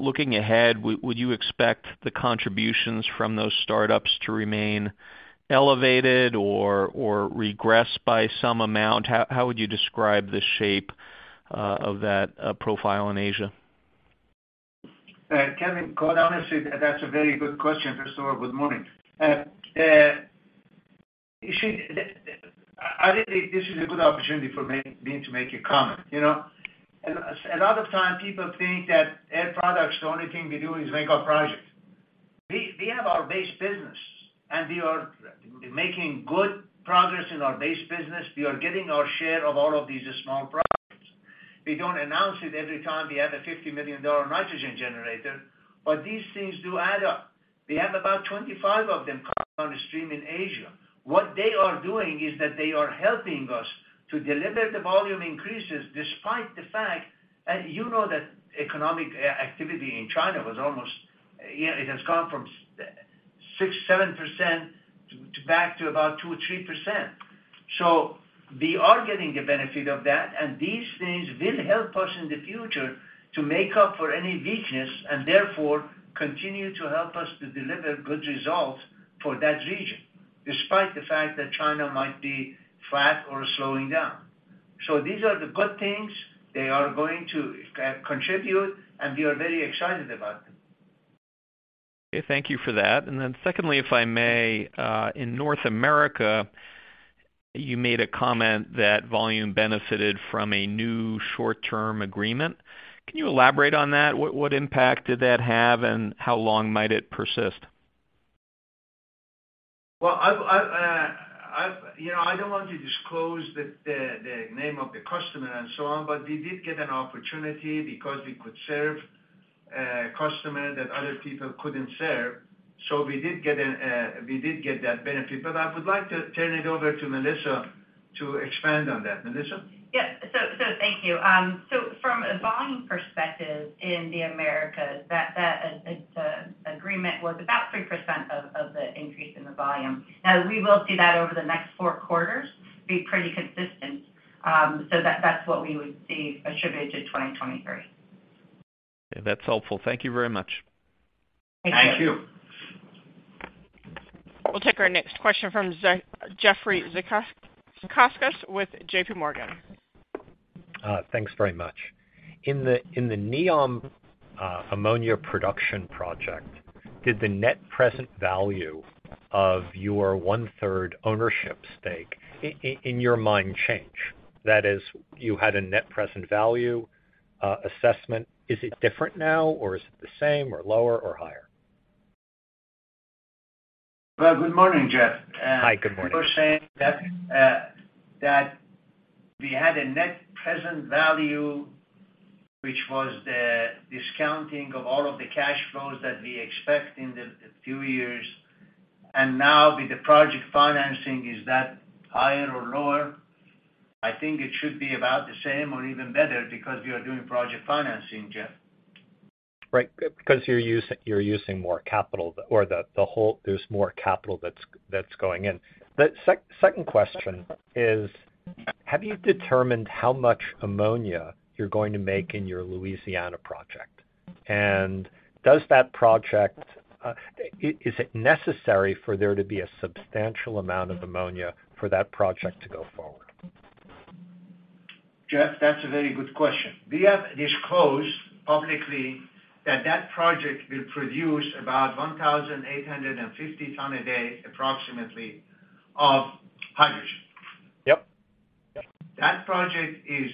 Looking ahead, would you expect the contributions from those startups to remain elevated or regressed by some amount? How would you describe the shape of that profile in Asia? Kevin, quite honestly, that's a very good question. First of all, good morning. I think this is a good opportunity for me to make a comment. You know, a lot of times people think that Air Products, the only thing we do is mega project. We have our base business, and we are making good progress in our base business. We are getting our share of all of these small projects. We don't announce it every time we have a $50 million nitrogen generator, but these things do add up. We have about 25 of them coming on stream in Asia. What they are doing is that they are helping us to deliver the volume increases despite the fact that you know that economic activity in China was almost it has gone from 6%-7% to back to about 2%-3%. We are getting the benefit of that, and these things will help us in the future to make up for any weakness and therefore continue to help us to deliver good results for that region, despite the fact that China might be flat or slowing down. These are the good things they are going to contribute, and we are very excited about them. Okay. Thank you for that. Secondly, if I may, in North America, you made a comment that volume benefited from a new short-term agreement. Can you elaborate on that? What impact did that have, and how long might it persist? I've you know, I don't want to disclose the name of the customer and so on, but we did get an opportunity because we could serve a customer that other people couldn't serve. We did get an, we did get that benefit. I would like to turn it over to Melissa to expand on that. Melissa? Yes. Thank you. From a volume perspective in the Americas, that agreement was about 3% of the increase in the volume. We will see that over the next four quarters be pretty consistent. That's what we would see attributed to 2023. That's helpful. Thank you very much. Thank you. We'll take our next question from Jeffrey Zekauskas with J.P. Morgan. Thanks very much. In the NEOM ammonia production project, did the net present value of your one-third ownership stake in your mind change? That is, you had a net present value assessment. Is it different now, or is it the same, or lower or higher? Well, good morning, Jeff. Hi, good morning. You were saying that we had a net present value, which was the discounting of all of the cash flows that we expect in the few years. Now with the project financing, is that higher or lower? I think it should be about the same or even better because we are doing project financing, Jeff. Right. Because you're using more capital or the whole there's more capital that's going in. The second question is, have you determined how much ammonia you're going to make in your Louisiana project? Does that project is it necessary for there to be a substantial amount of ammonia for that project to go forward? Jeff, that's a very good question. We have disclosed publicly that that project will produce about 1,850 tons a day, approximately, of hydrogen. Yep. That project is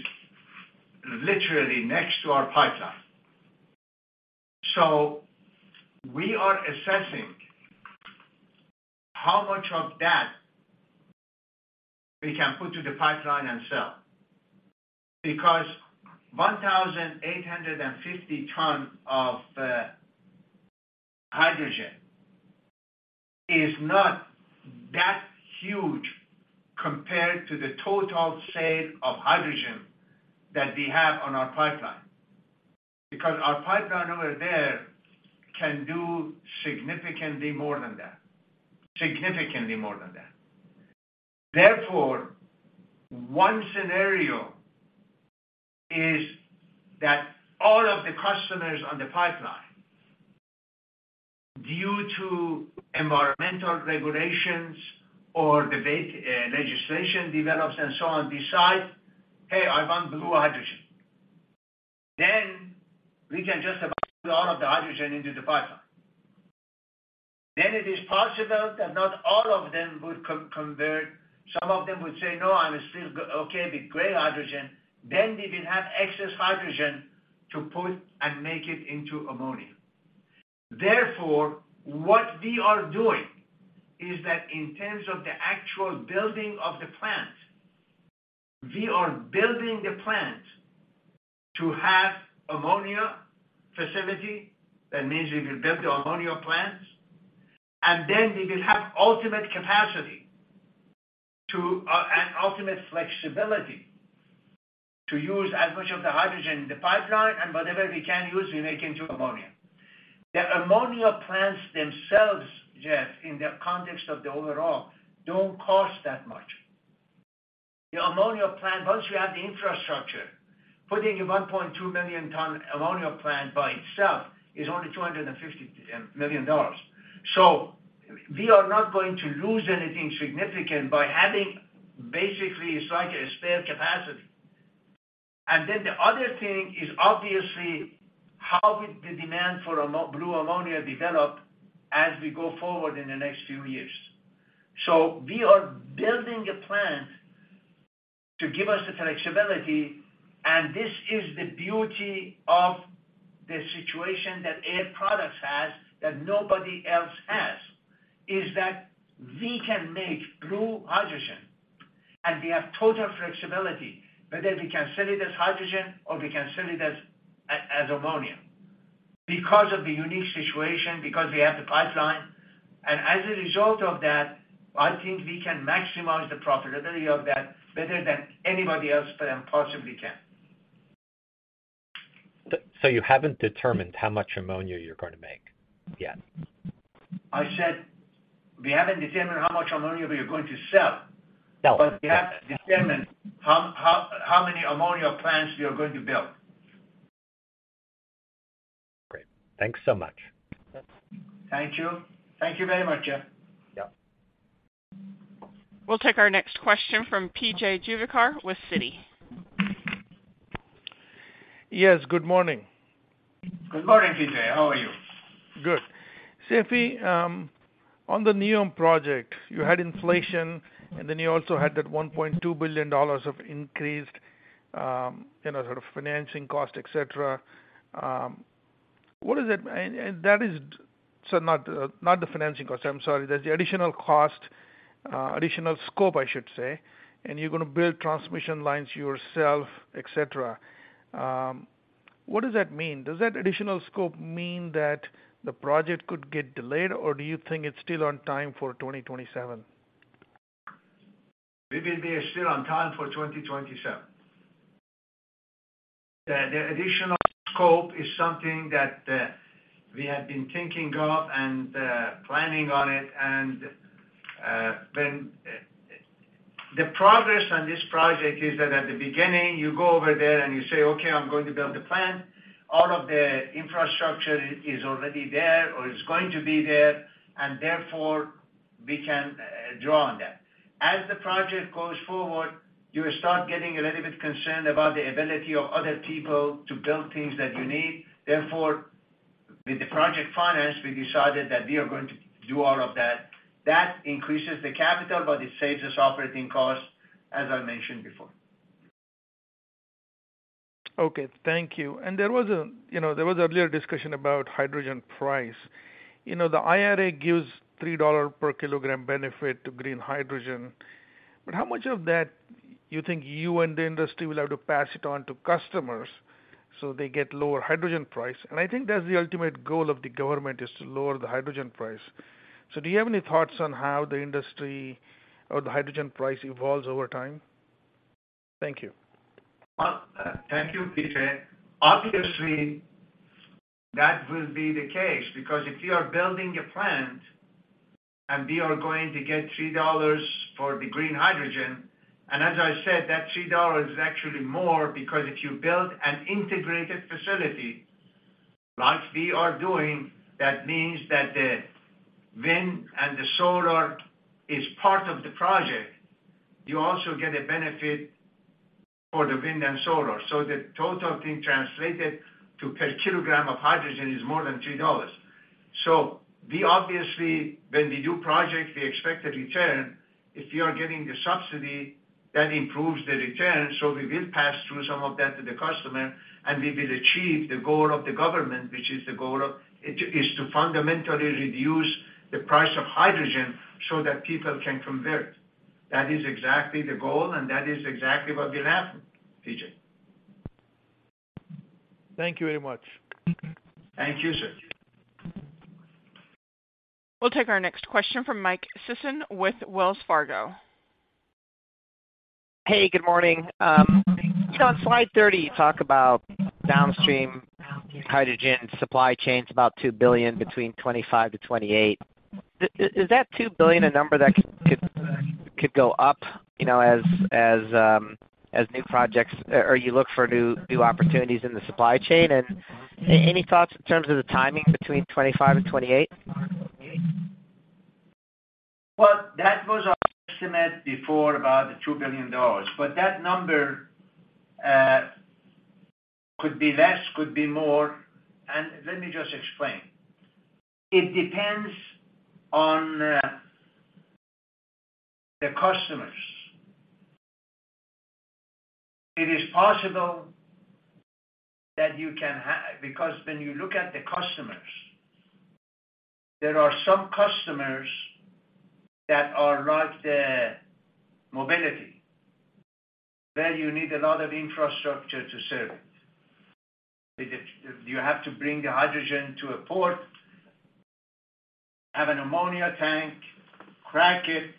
literally next to our pipeline. We are assessing how much of that we can put to the pipeline and sell. Because 1,850 tons of hydrogen is not that huge compared to the total sale of hydrogen that we have on our pipeline. Because our pipeline over there can do significantly more than that. One scenario is that all of the customers on the pipeline, due to environmental regulations or debate, legislation develops and so on, decide, "Hey, I want blue hydrogen." We can just about all of the hydrogen into the pipeline. It is possible that not all of them would convert. Some of them would say, "No, I'm still okay with gray hydrogen." We will have excess hydrogen to put and make it into ammonia. What we are doing is that in terms of the actual building of the plant, we are building the plant to have ammonia facility. That means we will build the ammonia plants, we will have ultimate capacity to and ultimate flexibility to use as much of the hydrogen in the pipeline. Whatever we can use, we make into ammonia. The ammonia plants themselves, Jeff, in the context of the overall, don't cost that much. The ammonia plant, once you have the infrastructure, putting a 1.2 million ton ammonia plant by itself is only $250 million. We are not going to lose anything significant by having basically it's like a spare capacity. The other thing is obviously how would the demand for blue ammonia develop as we go forward in the next few years. We are building a plant to give us the flexibility. This is the beauty of the situation that Air Products has, that nobody else has, is that we can make blue hydrogen, and we have total flexibility, whether we can sell it as hydrogen or we can sell it as ammonia. Because of the unique situation, because we have the pipeline. As a result of that, I think we can maximize the profitability of that better than anybody else can, possibly can. You haven't determined how much ammonia you're going to make yet? I said we haven't determined how much ammonia we are going to sell. Sell. We have determined how many ammonia plants we are going to build. Great. Thanks so much. Thank you. Thank you very much, Jeff. Yeah. We'll take our next question from P.J. Juvekar with Citi. Yes, good morning. Good morning, P.J. How are you? Good. Seifi, on the NEOM project, you had inflation, you also had that $1.2 billion of increased, you know, sort of financing cost, et cetera. Not the financing cost. I'm sorry. There's the additional cost, additional scope, I should say. You're gonna build transmission lines yourself, et cetera. What does that mean? Does that additional scope mean that the project could get delayed, or do you think it's still on time for 2027? We will be still on time for 2027. The additional scope is something that we have been thinking of and planning on it. The progress on this project is that at the beginning, you go over there and you say, "Okay, I'm going to build a plant." All of the infrastructure is already there or is going to be there, and therefore, we can draw on that. As the project goes forward, you start getting a little bit concerned about the ability of other people to build things that you need. Therefore, with the project finance, we decided that we are going to do all of that. That increases the capital, but it saves us operating costs, as I mentioned before. Okay, thank you. There was a, you know, there was earlier discussion about hydrogen price. You know, the IRA gives $3 per kilogram benefit to green hydrogen, but how much of that you think you and the industry will have to pass it on to customers so they get lower hydrogen price? I think that's the ultimate goal of the government, is to lower the hydrogen price. Do you have any thoughts on how the industry or the hydrogen price evolves over time? Thank you. Thank you, P.J. Obviously, that will be the case because if you are building a plant and we are going to get $3 for the green hydrogen, and as I said, that $3 is actually more because if you build an integrated facility like we are doing, that means that the wind and the solar is part of the project. You also get a benefit for the wind and solar. The total being translated to per kilogram of hydrogen is more than $3. We obviously, when we do projects, we expect a return. If you are getting a subsidy, that improves the return, so we will pass through some of that to the customer, and we will achieve the goal of the government, which is to fundamentally reduce the price of hydrogen so that people can convert. That is exactly the goal, and that is exactly what will happen, P.J. Thank you very much. Thank you, sir. We'll take our next question from Michael Sison with Wells Fargo. Hey, good morning. On slide 30, you talk about downstream hydrogen supply chains, about $2 billion between 2025-2028. Is that $2 billion a number that could go up, you know, as new projects or you look for new opportunities in the supply chain? Any thoughts in terms of the timing between 2025 and 2028? That was our estimate before about the $2 billion. That number could be less, could be more. Let me just explain. It depends on the customers. It is possible that when you look at the customers, there are some customers that are like the mobility, where you need a lot of infrastructure to serve it. You have to bring the hydrogen to a port, have an ammonia tank, crack it,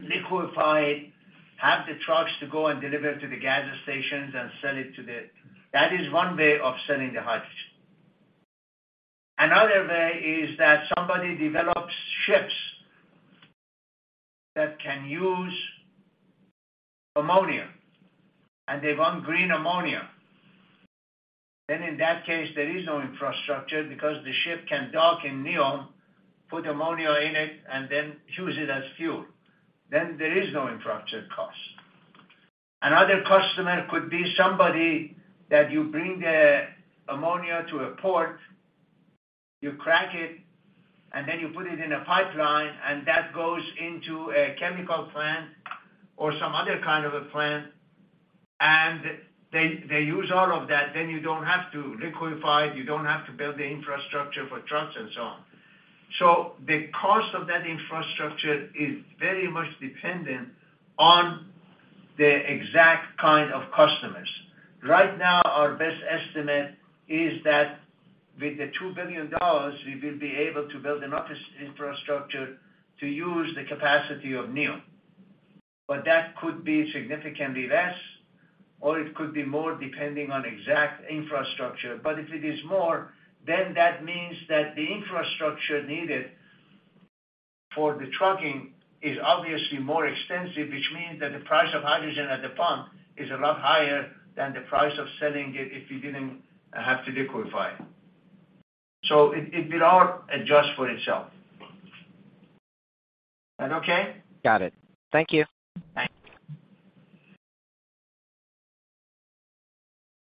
liquefy it, have the trucks to go and deliver to the gas stations and sell it. That is one way of selling the hydrogen. Another way is that somebody develops ships that can use ammonia, and they want green ammonia. In that case, there is no infrastructure because the ship can dock in NEOM, put ammonia in it, and then use it as fuel. There is no infrastructure cost. Another customer could be somebody that you bring the ammonia to a port, you crack it, you put it in a pipeline, that goes into a chemical plant or some other kind of a plant, and they use all of that. You don't have to liquefy it, you don't have to build the infrastructure for trucks and so on. The cost of that infrastructure is very much dependent on the exact kind of customers. Right now, our best estimate is that with the $2 billion, we will be able to build enough infrastructure to use the capacity of NEOM. That could be significantly less, or it could be more, depending on exact infrastructure. If it is more, then that means that the infrastructure needed for the trucking is obviously more extensive, which means that the price of hydrogen at the pump is a lot higher than the price of selling it if you didn't have to liquefy it. It will all adjust for itself. That okay? Got it. Thank you. Bye.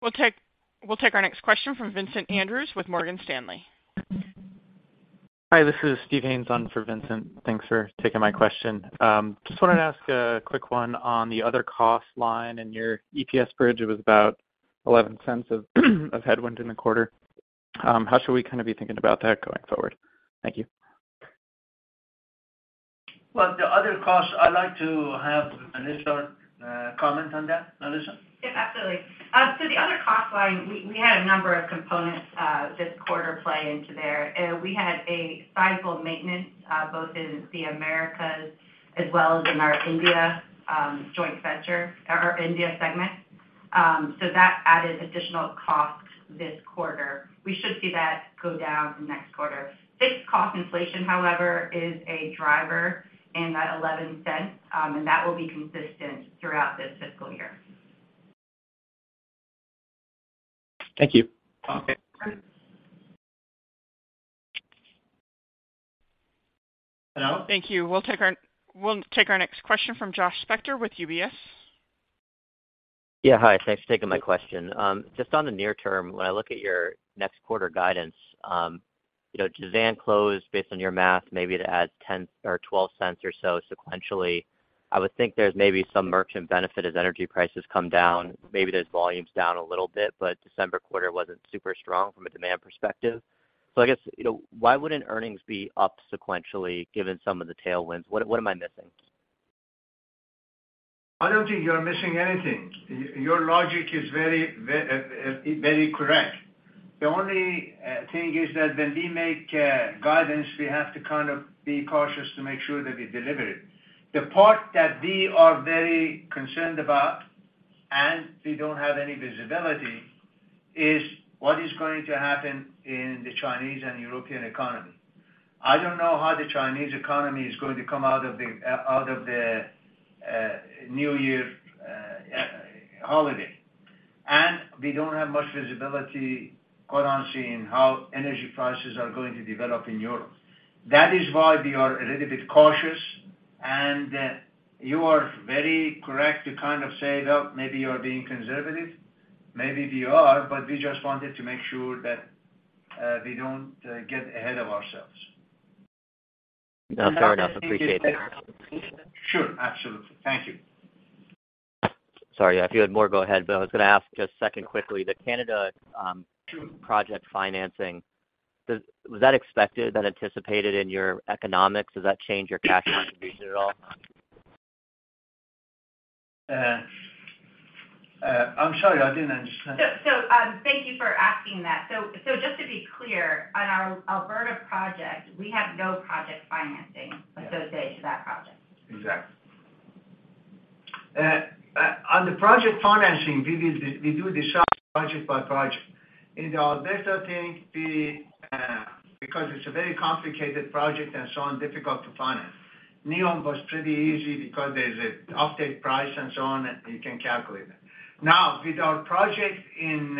We'll take our next question from Vincent Andrews with Morgan Stanley. Hi, this is Steven Haynes on for Vincent. Thanks for taking my question. Just wanted to ask a quick one on the other cost line in your EPS bridge, it was about $0.11 of headwind in the quarter. How should we kind of be thinking about that going forward? Thank you. Well, the other cost, I'd like to have Melissa comment on that. Melissa? Yeah, absolutely. The other cost line, we had a number of components this quarter play into there. We had a sizable maintenance both in the Americas as well as in our India joint venture or India segment. That added additional costs this quarter. We should see that go down next quarter. Fixed cost inflation, however, is a driver in that $0.11, that will be consistent throughout this fiscal year. Thank you. Okay. Thank you. We'll take our next question from Josh Spector with UBS. Yeah. Hi. Thanks for taking my question. Just on the near term, when I look at your next quarter guidance, you know, Jazan closed based on your math, maybe it adds $0.10 or $0.12 or so sequentially. I would think there's maybe some merchant benefit as energy prices come down. Maybe there's volumes down a little bit, December quarter wasn't super strong from a demand perspective. I guess, you know, why wouldn't earnings be up sequentially, given some of the tailwinds? What am I missing? I don't think you're missing anything. Your logic is very, very correct. The only thing is that when we make guidance, we have to kind of be cautious to make sure that we deliver it. The part that we are very concerned about, and we don't have any visibility, is what is going to happen in the Chinese and European economy. I don't know how the Chinese economy is going to come out of the out of the New Year holiday. We don't have much visibility, quote, unquote, seeing how energy prices are going to develop in Europe. That is why we are a little bit cautious. You are very correct to kind of say, well, maybe you're being conservative. Maybe we are, but we just wanted to make sure that we don't get ahead of ourselves. No, fair enough. Appreciate that. Sure. Absolutely. Thank you. Sorry. If you had more, go ahead. I was gonna ask just second quickly, the Canada project financing. Was that expected, that anticipated in your economics? Does that change your cash contribution at all? I'm sorry, I didn't understand. Thank you for asking that. Just to be clear, on our Alberta project, we have no project financing associated to that project. Exactly. On the project financing, we do decide project by project. In Alberta, I think we, because it's a very complicated project and so on, difficult to finance. NEOM was pretty easy because there's a offtake price and so on, you can calculate it. With our project in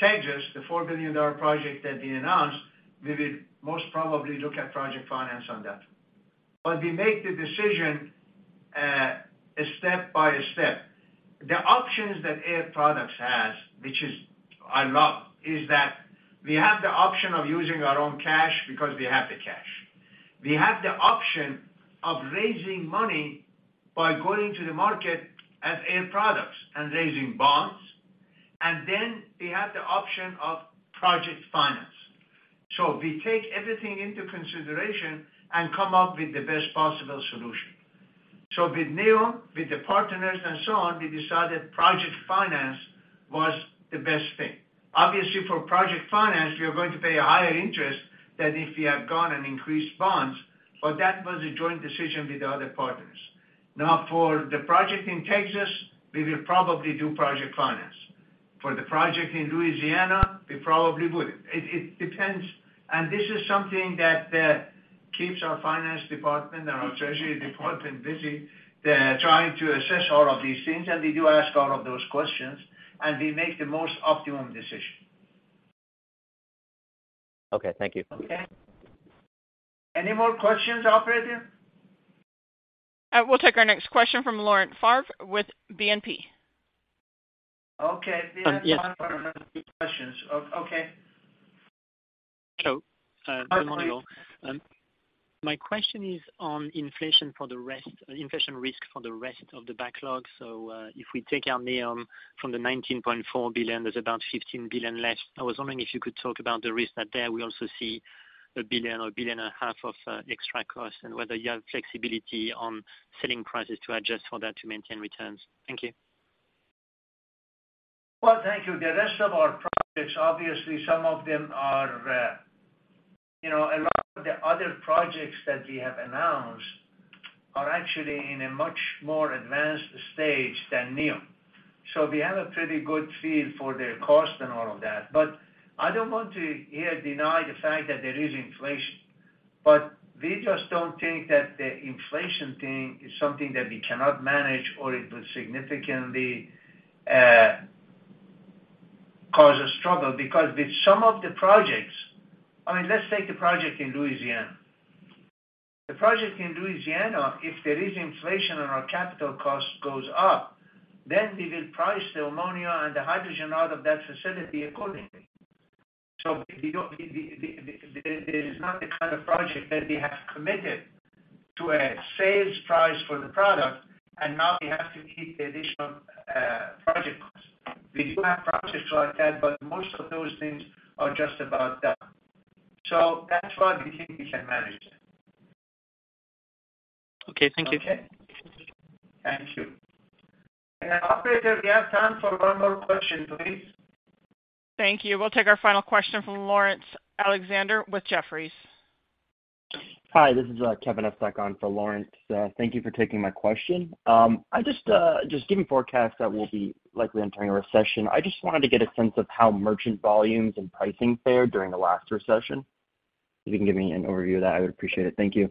Texas, the $4 billion project that we announced, we will most probably look at project finance on that. We make the decision step by step. The options that Air Products has, which is a lot, is that we have the option of using our own cash because we have the cash. We have the option of raising money by going to the market as Air Products and raising bonds, we have the option of project finance. We take everything into consideration and come up with the best possible solution. With NEOM, with the partners and so on, we decided project finance was the best thing. Obviously, for project finance, we are going to pay a higher interest than if we have gone and increased bonds, but that was a joint decision with the other partners. Now, for the project in Texas, we will probably do project finance. For the project in Louisiana, we probably wouldn't. It depends, and this is something that keeps our finance department and our treasury department busy. They're trying to assess all of these things, and we do ask all of those questions, and we make the most optimum decision. Okay. Thank you. Okay. Any more questions, operator? We'll take our next question from Laurent Favre with BNP. Okay. We have time for another few questions. Okay. Good morning, all. My question is on inflation for the rest, inflation risk for the rest of the backlog. If we take out NEOM from the $19.4 billion, there's about $15 billion left. I was wondering if you could talk about the risk that there we also see $1 billion or $1.5 billion of extra costs and whether you have flexibility on selling prices to adjust for that to maintain returns. Thank you. Well, thank you. The rest of our projects, obviously, some of them are, you know, a lot of the other projects that we have announced are actually in a much more advanced stage than NEOM. We have a pretty good feel for their cost and all of that. I don't want to here deny the fact that there is inflation. We just don't think that the inflation thing is something that we cannot manage or it will significantly cause a struggle. With some of the projects, I mean, let's take the project in Louisiana. The project in Louisiana, if there is inflation and our capital cost goes up, then we will price the ammonia and the hydrogen out of that facility accordingly. We don't. It is not the kind of project that we have committed to a sales price for the product and now we have to keep the additional project costs. We do have projects like that, most of those things are just about done. That's why we think we can manage it. Okay. Thank you. Okay? Thank you. Operator, we have time for one more question, please. Thank you. We'll take our final question from Laurence Alexander with Jefferies. Hi, this is Kevin Estok on for Laurence. Thank you for taking my question. I just given forecasts that we'll be likely entering a recession, I just wanted to get a sense of how merchant volumes and pricing fared during the last recession. If you can give me an overview of that, I would appreciate it. Thank you.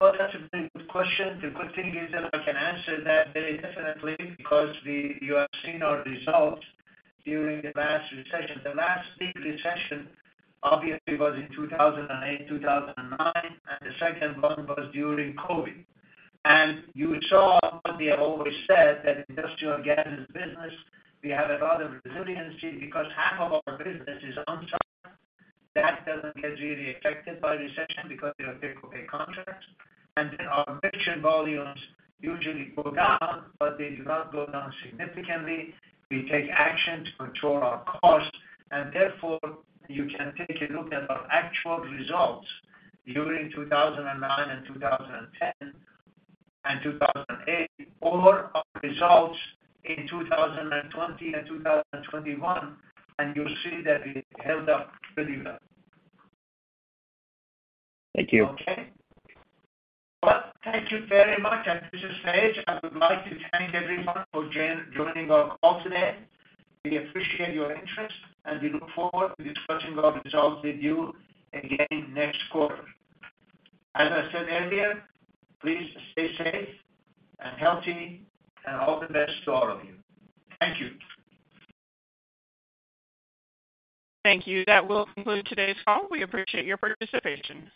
Well, that's a very good question. The good thing is that I can answer that very definitely because you have seen our results during the last recession. The last big recession obviously was in 2008, 2009, and the second one was during COVID. You saw what we have always said, that industrial gas is business. We have a lot of resiliency because half of our business is on site. That doesn't get really affected by recession because they are take-or-pay contracts. Our merchant volumes usually go down, but they do not go down significantly. We take action to control our costs, and therefore, you can take a look at our actual results during 2009 and 2010, and 2008 or our results in 2020 and 2021, and you'll see that it held up pretty well. Thank you. Okay. Well, thank you very much. At this stage, I would like to thank everyone for joining our call today. We appreciate your interest, we look forward to discussing our results with you again next quarter. As I said earlier, please stay safe and healthy, all the best to all of you. Thank you. Thank you. That will conclude today's call. We appreciate your participation.